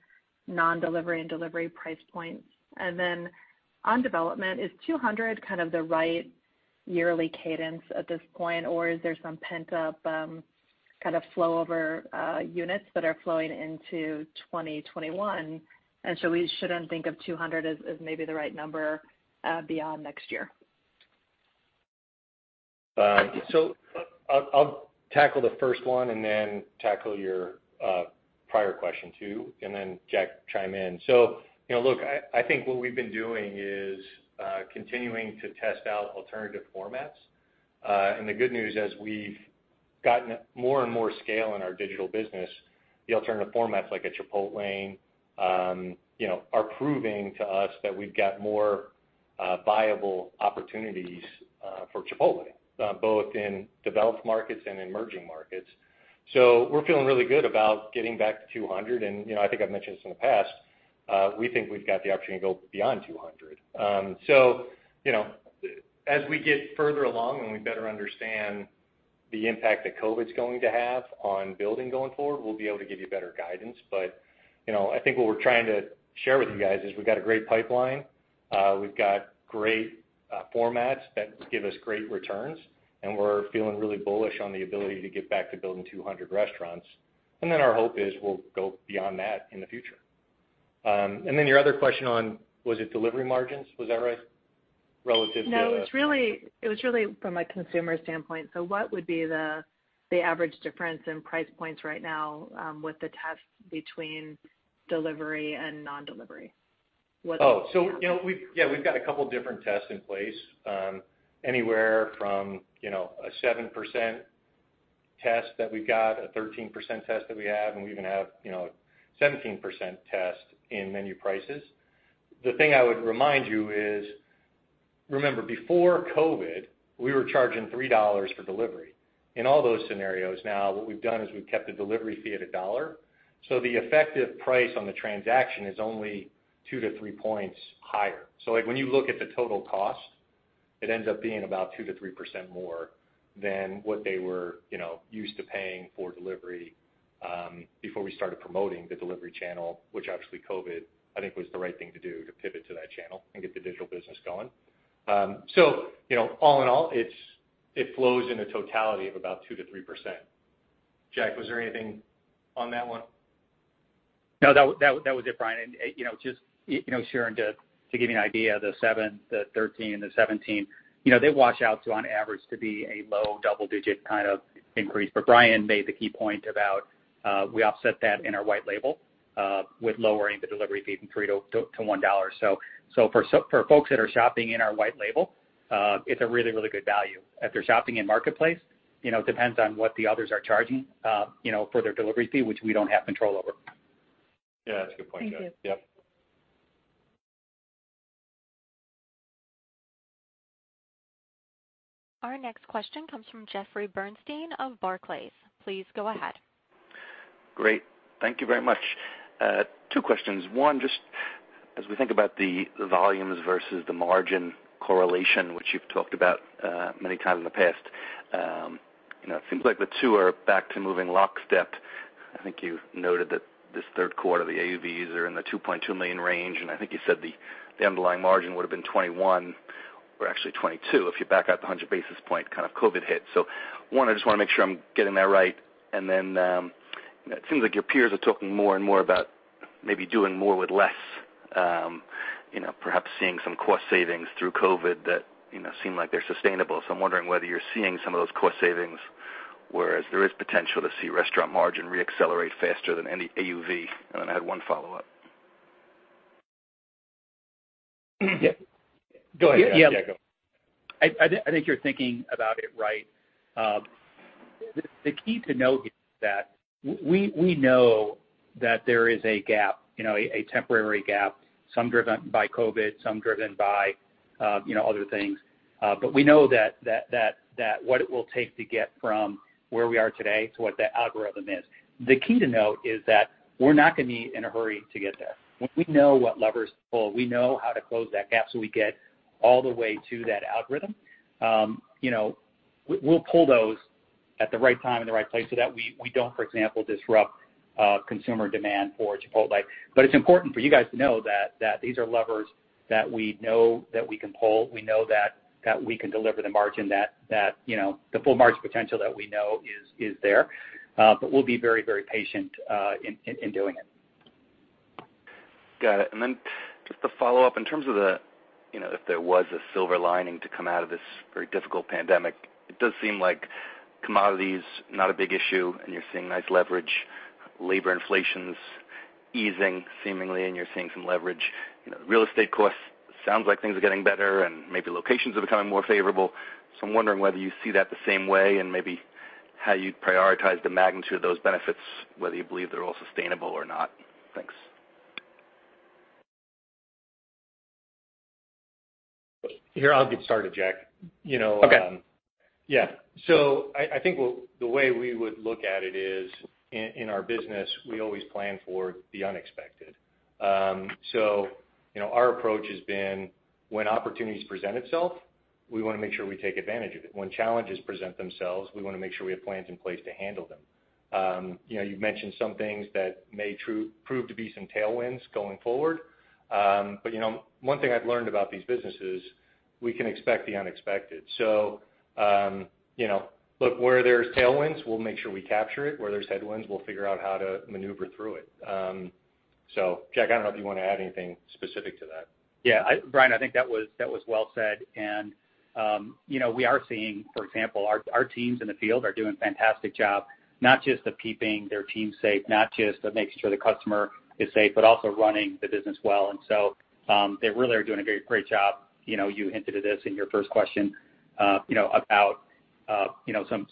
non-delivery and delivery price points? Then on development, is 200 kind of the right yearly cadence at this point, or is there some pent-up kind of flow over units that are flowing into 2021, so we shouldn't think of 200 as maybe the right number beyond next year? I'll tackle the first one and then tackle your prior question too, and then Jack chime in. I think what we've been doing is continuing to test out alternative formats. The good news as we've gotten more and more scale in our digital business, the alternative formats like a Chipotlane, are proving to us that we've got more viable opportunities for Chipotle, both in developed markets and emerging markets. We're feeling really good about getting back to 200, and I think I've mentioned this in the past. We think we've got the opportunity to go beyond 200. As we get further along and we better understand the impact that COVID-19's going to have on building going forward, we'll be able to give you better guidance. I think what we're trying to share with you guys is we've got a great pipeline. We've got great formats that give us great returns, and we're feeling really bullish on the ability to get back to building 200 restaurants. Our hope is we'll go beyond that in the future. Your other question on, was it delivery margins? Was that right? No, it was really from a consumer standpoint. What would be the average difference in price points right now with the test between delivery and non-delivery? What is the gap? We've got a couple different tests in place. Anywhere from a 7% test that we've got, a 13% test that we have, and we even have a 17% test in menu prices. The thing I would remind you is, remember before COVID, we were charging $3 for delivery. In all those scenarios now, what we've done is we've kept the delivery fee at $1, so the effective price on the transaction is only two to three points higher. Like when you look at the total cost, it ends up being about 2%-3% more than what they were used to paying for delivery before we started promoting the delivery channel, which obviously COVID, I think, was the right thing to do to pivot to that channel and get the digital business going. All in all, it flows in a totality of about 2%-3%. Jack, was there anything on that one? No, that was it, Brian. Sharon, to give you an idea, the seven, the 13%, the 17%, they wash out to on average to be a low double-digit kind of increase. Brian made the key point about, we offset that in our white label, with lowering the delivery fee from $3-$1. For folks that are shopping in our white label, it's a really good value. If they're shopping in marketplace, it depends on what the others are charging for their delivery fee, which we don't have control over. Yeah, that's a good point, Jack. Thank you. Yep. Our next question comes from Jeffrey Bernstein of Barclays. Please go ahead. Great. Thank you very much. Two questions. One, just as we think about the volumes versus the margin correlation, which you've talked about many times in the past. It seems like the two are back to moving lockstep. I think you've noted that this third quarter, the AUVs are in the $2.2 million range, and I think you said the underlying margin would've been 21%, or actually 22% if you back out the 100 basis point kind of COVID hit. One, I just want to make sure I'm getting that right. It seems like your peers are talking more and more about maybe doing more with less. Perhaps seeing some cost savings through COVID that seem like they're sustainable. I'm wondering whether you're seeing some of those cost savings, whereas there is potential to see restaurant margin re-accelerate faster than any AUV. I had one follow-up. Go ahead, Jack. Yeah. I think you're thinking about it right. The key to note is that we know that there is a gap, a temporary gap, some driven by COVID, some driven by other things. We know what it will take to get from where we are today to what the algorithm is. The key to note is that we're not going to be in a hurry to get there. When we know what levers to pull, we know how to close that gap so we get all the way to that algorithm. We'll pull those at the right time and the right place so that we don't, for example, disrupt consumer demand for Chipotle. It's important for you guys to know that these are levers that we know that we can pull. We know that we can deliver the full margin potential that we know is there. We'll be very patient in doing it. Got it. Just a follow-up, in terms of the, if there was a silver lining to come out of this very difficult pandemic, it does seem like commodity's not a big issue, and you're seeing nice leverage. Labor inflation's easing seemingly, and you're seeing some leverage. Real estate costs, sounds like things are getting better and maybe locations are becoming more favorable. I'm wondering whether you see that the same way and maybe how you prioritize the magnitude of those benefits, whether you believe they're all sustainable or not. Thanks. Here, I'll get started, Jack. Okay. Yeah. I think the way we would look at it is, in our business, we always plan for the unexpected. Our approach has been when opportunities present itself, we want to make sure we take advantage of it. When challenges present themselves, we want to make sure we have plans in place to handle them. You've mentioned some things that may prove to be some tailwinds going forward. One thing I've learned about these businesses, we can expect the unexpected. Look, where there's tailwinds, we'll make sure we capture it. Where there's headwinds, we'll figure out how to maneuver through it. Jack, I don't know if you want to add anything specific to that. Yeah. Brian, I think that was well said. We are seeing, for example, our teams in the field are doing a fantastic job, not just of keeping their team safe, not just of making sure the customer is safe, but also running the business well. They really are doing a great job. You hinted at this in your first question, about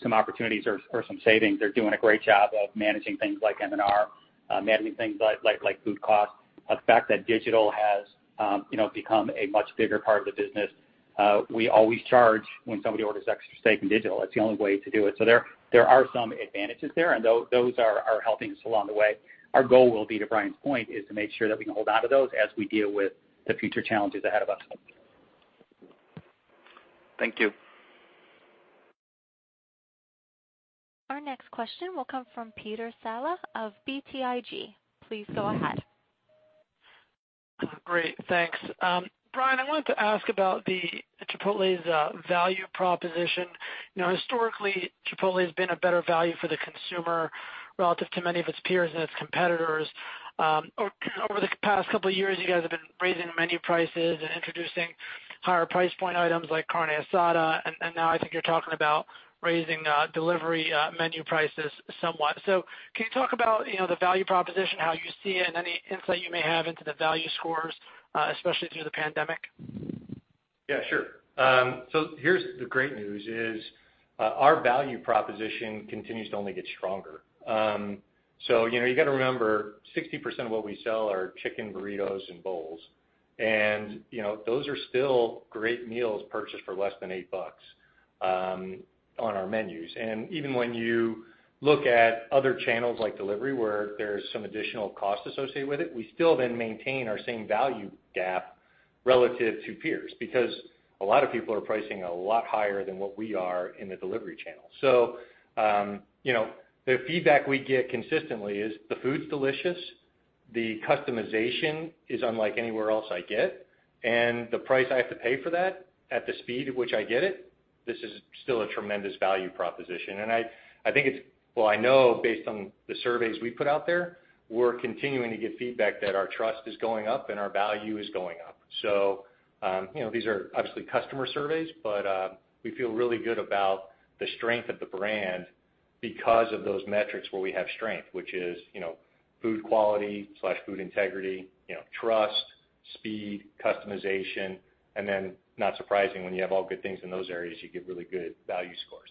some opportunities or some savings. They're doing a great job of managing things like M&R, managing things like food costs. The fact that digital has become a much bigger part of the business. We always charge when somebody orders extra steak in digital. That's the only way to do it. There are some advantages there, and those are helping us along the way. Our goal will be, to Brian's point, is to make sure that we can hold onto those as we deal with the future challenges ahead of us. Thank you. Our next question will come from Peter Saleh of BTIG. Please go ahead. Great. Thanks. Brian, I wanted to ask about the Chipotle's value proposition. Historically, Chipotle has been a better value for the consumer relative to many of its peers and its competitors. Over the past couple of years, you guys have been raising menu prices and introducing higher price point items like Carne Asada, now I think you're talking about raising delivery menu prices somewhat. Can you talk about the value proposition, how you see it, and any insight you may have into the value scores, especially through the pandemic? Yeah, sure. Here's the great news is, our value proposition continues to only get stronger. You got to remember, 60% of what we sell are chicken burritos and bowls. Those are still great meals purchased for less than $8 on our menus. Even when you look at other channels like delivery, where there's some additional cost associated with it, we still then maintain our same value gap relative to peers. A lot of people are pricing a lot higher than what we are in the delivery channel. The feedback we get consistently is the food's delicious, the customization is unlike anywhere else I get, and the price I have to pay for that at the speed at which I get it, this is still a tremendous value proposition. I think it's, well, I know based on the surveys we put out there, we're continuing to get feedback that our trust is going up and our value is going up. These are obviously customer surveys, but we feel really good about the strength of the brand because of those metrics where we have strength. Which is, food quality/Food Integrity, trust, speed, customization, and then not surprising, when you have all good things in those areas, you get really good value scores.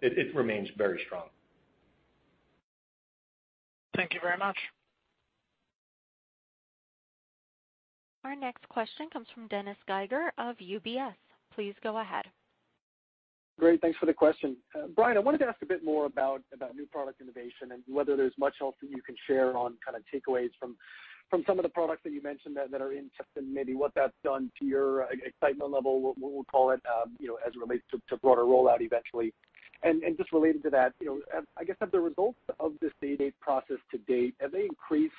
It remains very strong. Thank you very much. Our next question comes from Dennis Geiger of UBS. Please go ahead. Great. Thanks for the question. Brian, I wanted to ask a bit more about new product innovation and whether there's much else that you can share on kind of takeaways from some of the products that you mentioned that are in testing, maybe what that's done to your excitement level, what we'll call it, as it relates to broader rollout eventually. Just related to that, I guess have the results of this beta process to date, have they increased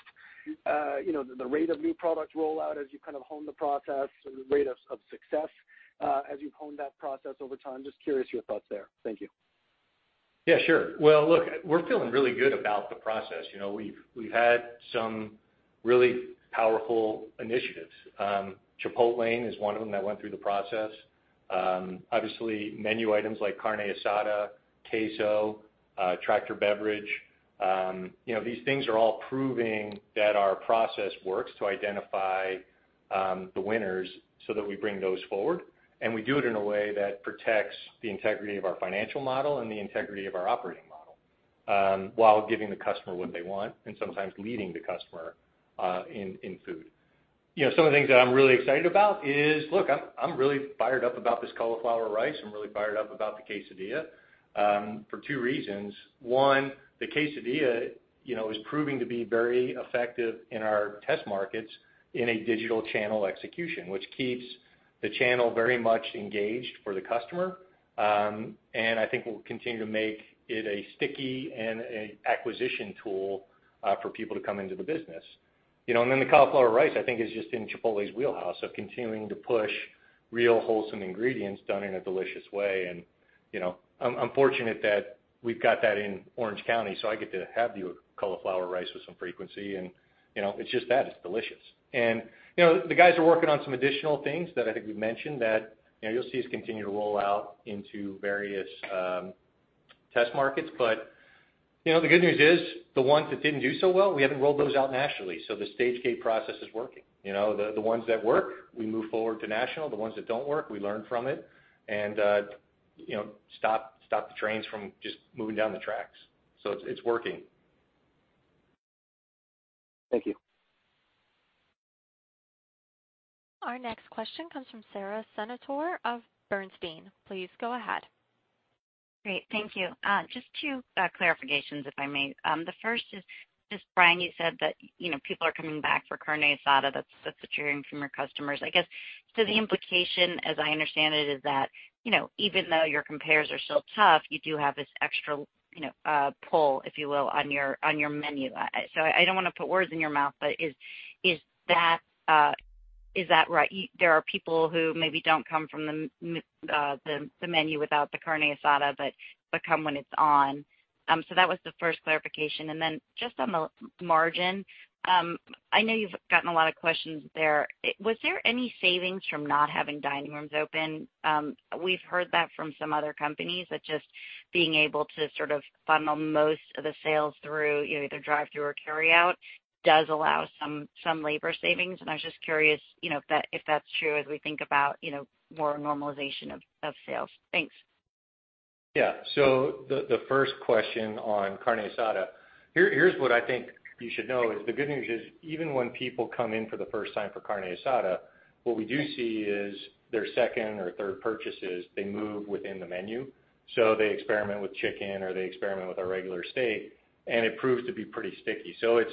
the rate of new product rollout as you kind of hone the process or the rate of success as you've honed that process over time? Just curious your thoughts there. Thank you. Yeah, sure. Well, look, we're feeling really good about the process. We've had some really powerful initiatives. Chipotlane is one of them that went through the process. Obviously, menu items like Carne Asada, queso, Tractor Beverage. These things are all proving that our process works to identify the winners so that we bring those forward, and we do it in a way that protects the integrity of our financial model and the integrity of our operating model, while giving the customer what they want and sometimes leading the customer in food. Some of the things that I'm really excited about is, look, I'm really fired up about this cauliflower rice. I'm really fired up about the quesadilla, for two reasons. One, the quesadilla is proving to be very effective in our test markets in a digital channel execution, which keeps the channel very much engaged for the customer, and I think will continue to make it a sticky and an acquisition tool, for people to come into the business. Then the cauliflower rice, I think, is just in Chipotle's wheelhouse of continuing to push real wholesome ingredients done in a delicious way. I'm fortunate that we've got that in Orange County, so I get to have the cauliflower rice with some frequency, and it's just that. It's delicious. The guys are working on some additional things that I think we've mentioned that you'll see us continue to roll out into various test markets. The good news is the ones that didn't do so well, we haven't rolled those out nationally. The Stage-Gate process is working. The ones that work, we move forward to national. The ones that don't work, we learn from it and stop the trains from just moving down the tracks. It's working. Thank you. Our next question comes from Sara Senatore of Bernstein. Please go ahead. Great. Thank you. Just two clarifications, if I may. The first is, Brian, you said that people are coming back for Carne Asada. That's what you're hearing from your customers. I guess, the implication, as I understand it, is that, even though your compares are still tough, you do have this extra pull, if you will, on your menu. I don't want to put words in your mouth, but is that right? There are people who maybe don't come from the menu without the Carne Asada, but come when it's on. That was the first clarification. Just on the margin. I know you've gotten a lot of questions there. Was there any savings from not having dining rooms open? We've heard that from some other companies that just being able to sort of funnel most of the sales through either drive-through or carryout does allow some labor savings, and I was just curious if that's true as we think about more normalization of sales. Thanks. Yeah. The first question on Carne Asada. Here's what I think you should know is the good news is even when people come in for the first time for Carne Asada, what we do see is their second or third purchases, they move within the menu. They experiment with chicken, or they experiment with our regular steak, it proves to be pretty sticky. It's,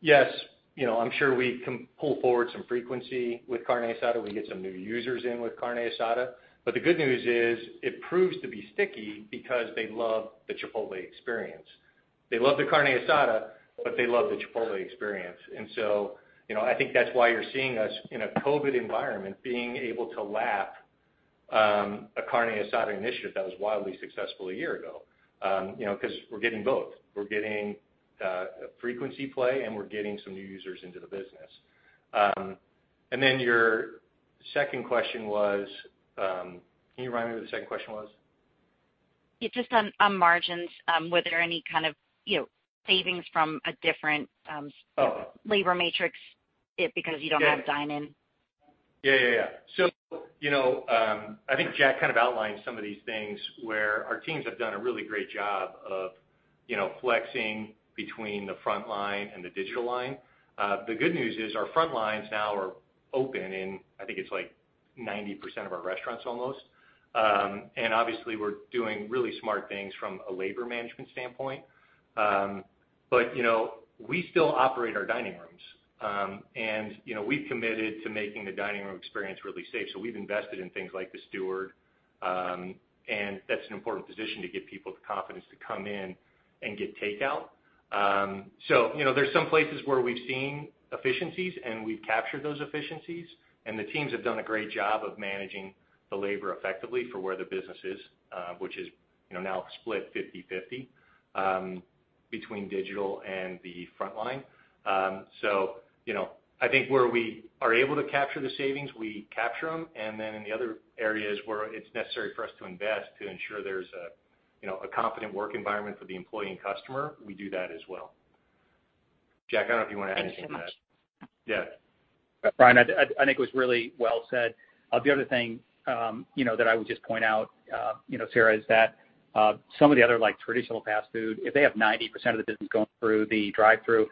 yes, I'm sure we can pull forward some frequency with Carne Asada. We get some new users in with Carne Asada. The good news is it proves to be sticky because they love the Chipotle experience. They love the Carne Asada, they love the Chipotle experience. I think that's why you're seeing us in a COVID environment, being able to lap a Carne Asada initiative that was wildly successful a year ago. We're getting both. We're getting a frequency play, and we're getting some new users into the business. Your second question was, can you remind me what the second question was? Yeah, just on margins, were there any kind of savings from a different labor matrix because you don't have dine-in? Yeah. I think Jack kind of outlined some of these things where our teams have done a really great job of flexing between the frontline and the digital line. The good news is our front lines now are open in, I think it's like 90% of our restaurants almost. Obviously, we're doing really smart things from a labor management standpoint. We still operate our dining rooms. We've committed to making the dining room experience really safe. We've invested in things like the steward, and that's an important position to give people the confidence to come in and get takeout. There's some places where we've seen efficiencies, and we've captured those efficiencies, and the teams have done a great job of managing the labor effectively for where the business is, which is now split 50/50 between digital and the frontline. I think where we are able to capture the savings, we capture them, and then in the other areas where it's necessary for us to invest to ensure there's a confident work environment for the employee and customer, we do that as well. Jack, I don't know if you want to add anything to that. Thank you so much. Yeah. Brian, I think it was really well said. The other thing that I would just point out, Sara, is that some of the other traditional fast food, if they have 90% of the business going through the drive-through,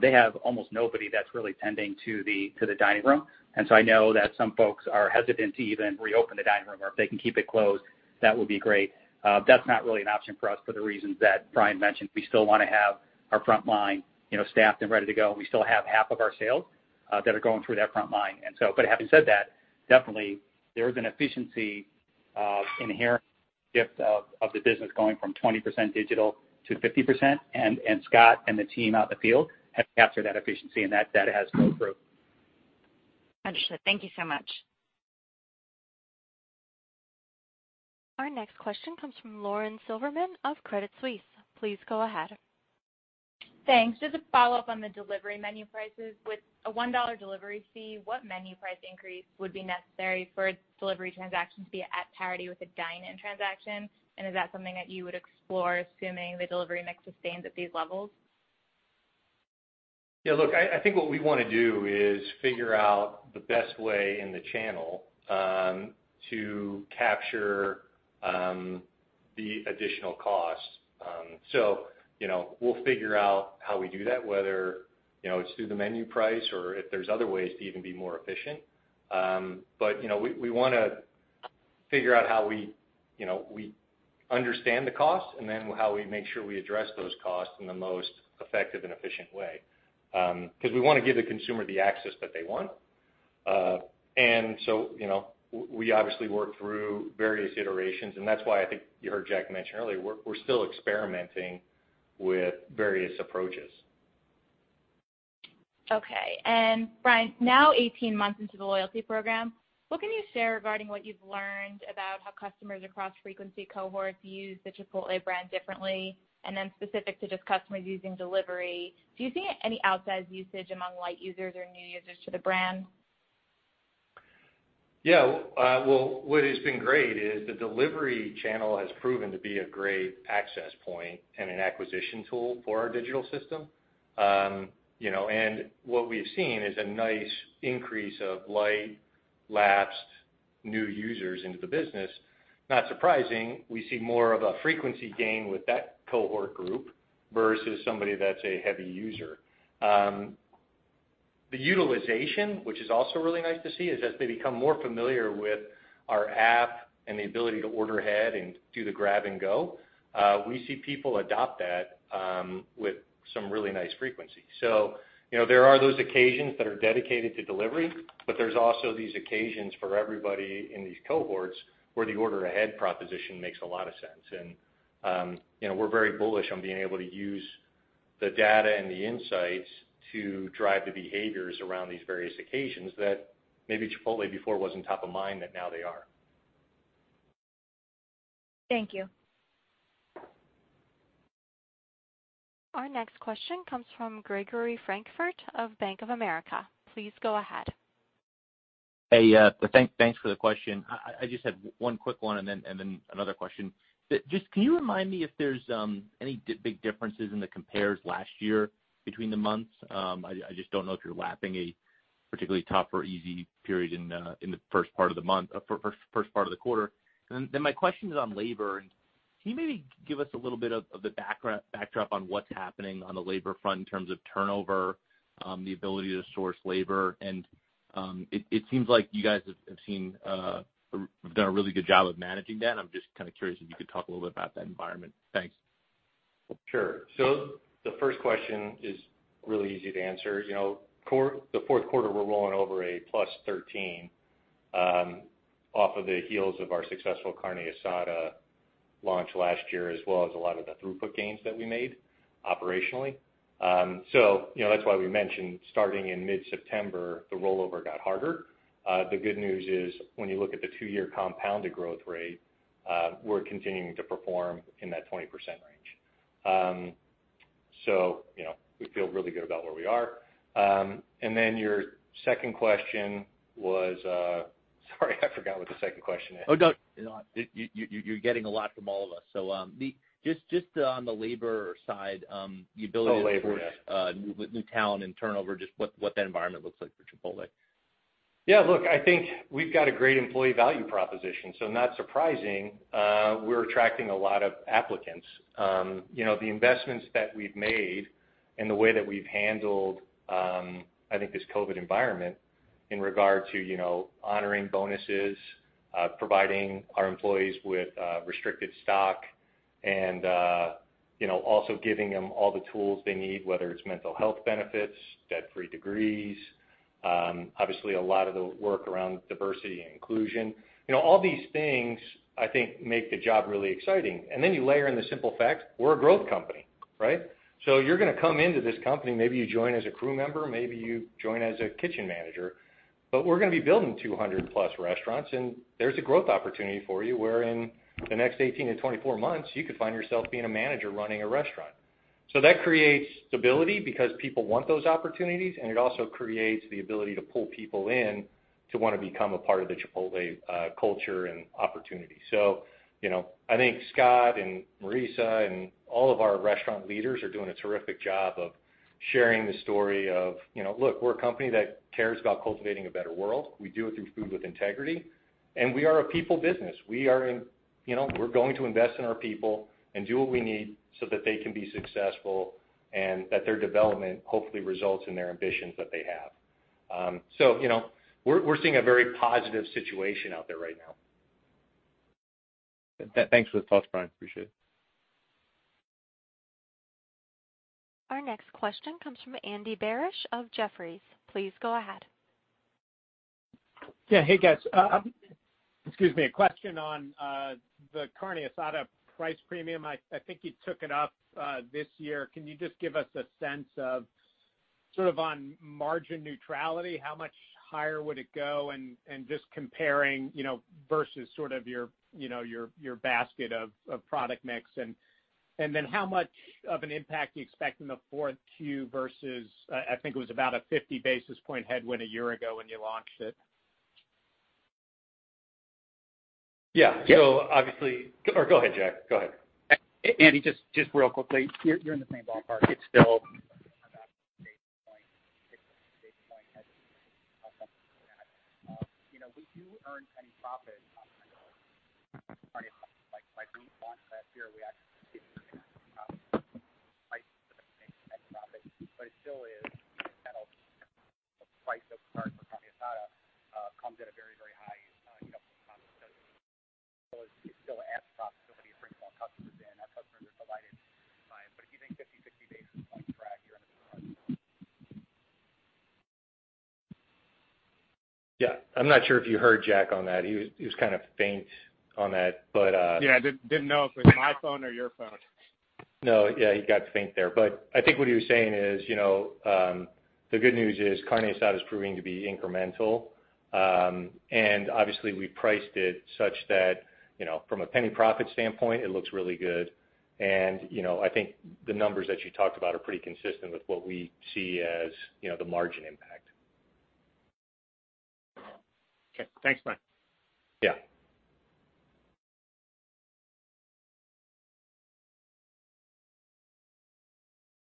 they have almost nobody that's really tending to the dining room. I know that some folks are hesitant to even reopen the dining room, or if they can keep it closed, that would be great. That's not really an option for us for the reasons that Brian mentioned. We still want to have our frontline staffed and ready to go. We still have half of our sales that are going through that frontline. Having said that, definitely, there is an efficiency inherent shift of the business going from 20% digital to 50%, and Scott and the team out in the field have captured that efficiency, and that data has [spoke] through. Understood. Thank you so much. Our next question comes from Lauren Silberman of Credit Suisse. Please go ahead. Thanks. Just a follow-up on the delivery menu prices. With a $1 delivery fee, what menu price increase would be necessary for a delivery transaction to be at parity with a dine-in transaction? Is that something that you would explore, assuming the delivery mix sustains at these levels? Yeah, look, I think what we want to do is figure out the best way in the channel to capture the additional cost. We'll figure out how we do that, whether it's through the menu price or if there's other ways to even be more efficient. We want to figure out how we understand the cost and then how we make sure we address those costs in the most effective and efficient way. Because we want to give the consumer the access that they want. We obviously work through various iterations, and that's why I think you heard Jack mention earlier, we're still experimenting with various approaches. Okay. Brian, now 18 months into the loyalty program, what can you share regarding what you've learned about how customers across frequency cohorts use the Chipotle brand differently? Specific to just customers using delivery, do you see any outsized usage among light users or new users to the brand? Well, what has been great is the delivery channel has proven to be a great access point and an acquisition tool for our digital system. What we've seen is a nice increase of light, lapsed, new users into the business. Not surprising, we see more of a frequency gain with that cohort group versus somebody that's a heavy user. The utilization, which is also really nice to see, is as they become more familiar with our app and the ability to order ahead and do the grab and go, we see people adopt that with some really nice frequency. There are those occasions that are dedicated to delivery, but there's also these occasions for everybody in these cohorts where the order ahead proposition makes a lot of sense. We're very bullish on being able to use the data and the insights to drive the behaviors around these various occasions that maybe Chipotle before wasn't top of mind, that now they are. Thank you. Our next question comes from Gregory Francfort of Bank of America. Please go ahead. Hey, thanks for the question. I just had one quick one and then another question. Just can you remind me if there's any big differences in the compares last year between the months? I just don't know if you're lapping a particularly tough or easy period in the first part of the quarter. My question is on labor, and can you maybe give us a little bit of the backdrop on what's happening on the labor front in terms of turnover, the ability to source labor? It seems like you guys have done a really good job of managing that, and I'm just kind of curious if you could talk a little bit about that environment. Thanks. The first question is really easy to answer. The fourth quarter, we are rolling over a +13% off of the heels of our successful Carne Asada launch last year, as well as a lot of the throughput gains that we made operationally. That's why we mentioned starting in mid-September, the rollover got harder. The good news is when you look at the two-year compounded growth rate, we are continuing to perform in that 20% range. We feel really good about where we are. Your second question was sorry, I forgot what the second question is. Oh, no. You're getting a lot from all of us. Just on the labor side. Oh, labor. Yes The ability to support new talent and turnover, just what that environment looks like for Chipotle. Look, I think we've got a great employee value proposition, so not surprising, we're attracting a lot of applicants. The investments that we've made and the way that we've handled, I think this COVID environment in regard to honoring bonuses, providing our employees with restricted stock and also giving them all the tools they need, whether it's mental health benefits, Debt-Free Degrees. Obviously, a lot of the work around diversity and inclusion. All these things, I think, make the job really exciting. You layer in the simple fact, we're a growth company, right? You're going to come into this company, maybe you join as a crew member, maybe you join as a kitchen manager. We're going to be building 200 plus restaurants, and there's a growth opportunity for you, where in the next 18-24 months, you could find yourself being a manager running a restaurant. That creates stability because people want those opportunities, and it also creates the ability to pull people in to want to become a part of the Chipotle culture and opportunity. I think Scott and Marissa and all of our restaurant leaders are doing a terrific job of sharing the story of, look, we're a company that cares about cultivating a better world. We do it through Food with Integrity, and we are a people business. We're going to invest in our people and do what we need so that they can be successful and that their development hopefully results in their ambitions that they have. We're seeing a very positive situation out there right now. Thanks for the thoughts, Brian. Appreciate it. Our next question comes from Andy Barish of Jefferies. Please go ahead. Yeah. Hey, guys. Excuse me. A question on the Carne Asada price premium. I think you took it up this year. Can you just give us a sense of, sort of on margin neutrality, how much higher would it go? Just comparing versus sort of your basket of product mix, and then how much of an impact you expect in the fourth Q versus, I think it was about a 50 basis point headwind a year ago when you launched it. Yeah. Go ahead, Jack. Andy, just real quickly. You're in the same ballpark. It's still. We do earn penny profit on Carne Asada. We launched last year, we actually making penny profit, but it still is a price of Carne Asada comes at a very, very high customer [cost]. It still adds profitability. It brings more customers in. Our customers are delighted by it. If you think 50 basis point, 60 basis point drag, you're underpriced now. Yeah. I'm not sure if you heard Jack on that. He was kind of faint on that. Yeah, I didn't know if it was my phone or your phone. No. Yeah, he got faint there. I think what he was saying is, the good news is Carne Asada is proving to be incremental. Obviously we priced it such that, from a penny profit standpoint, it looks really good. I think the numbers that you talked about are pretty consistent with what we see as the margin impact. Okay. Thanks, Brian. Yeah.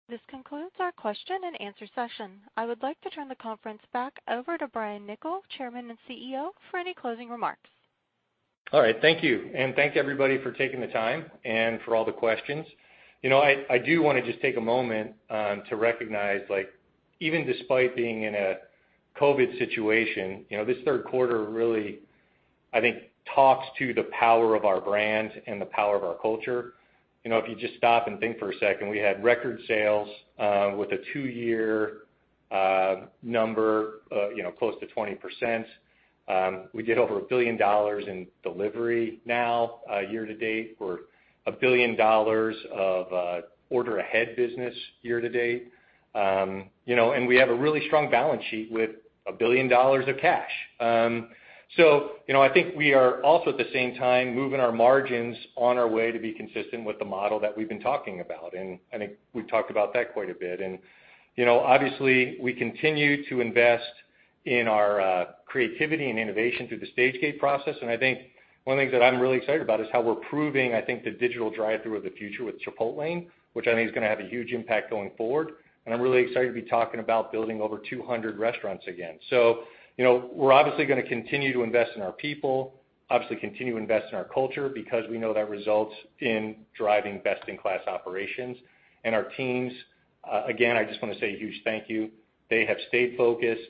This concludes our question-and-answer session. I would like to turn the conference back over to Brian Niccol, Chairman and CEO, for any closing remarks. All right. Thank you. Thanks everybody for taking the time and for all the questions. I do want to just take a moment, to recognize even despite being in a COVID situation, this third quarter really, I think, talks to the power of our brand and the power of our culture. If you just stop and think for a second, we had record sales, with a two-year number close to 20%. We did over a billion dollars in delivery now, year to date. We're a billion dollars of order ahead business year to date. We have a really strong balance sheet with a billion dollars of cash. I think we are also, at the same time, moving our margins on our way to be consistent with the model that we've been talking about. I think we've talked about that quite a bit. Obviously, we continue to invest in our creativity and innovation through the Stage-Gate process. I think one of the things that I'm really excited about is how we're proving, I think the digital drive-through of the future with Chipotle, which I think is going to have a huge impact going forward. I'm really excited to be talking about building over 200 restaurants again. We're obviously going to continue to invest in our people, obviously continue to invest in our culture because we know that results in driving best-in-class operations. Our teams, again, I just want to say a huge thank you. They have stayed focused.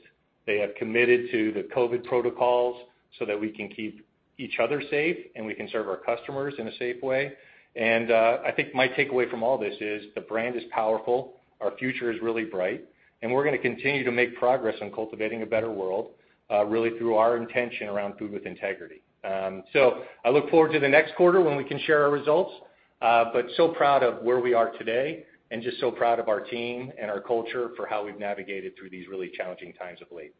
They have committed to the COVID protocols, so that we can keep each other safe, and we can serve our customers in a safe way. I think my takeaway from all this is the brand is powerful. Our future is really bright. We're going to continue to make progress on cultivating a better world, really through our intention around Food with Integrity. I look forward to the next quarter when we can share our results. So proud of where we are today and just so proud of our team and our culture for how we've navigated through these really challenging times of late.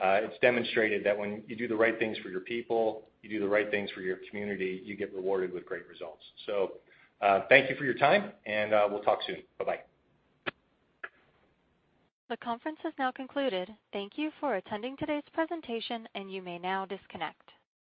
It's demonstrated that when you do the right things for your people, you do the right things for your community, you get rewarded with great results. Thank you for your time and we'll talk soon. Bye-bye. The conference has now concluded. Thank you for attending today's presentation. You may now disconnect.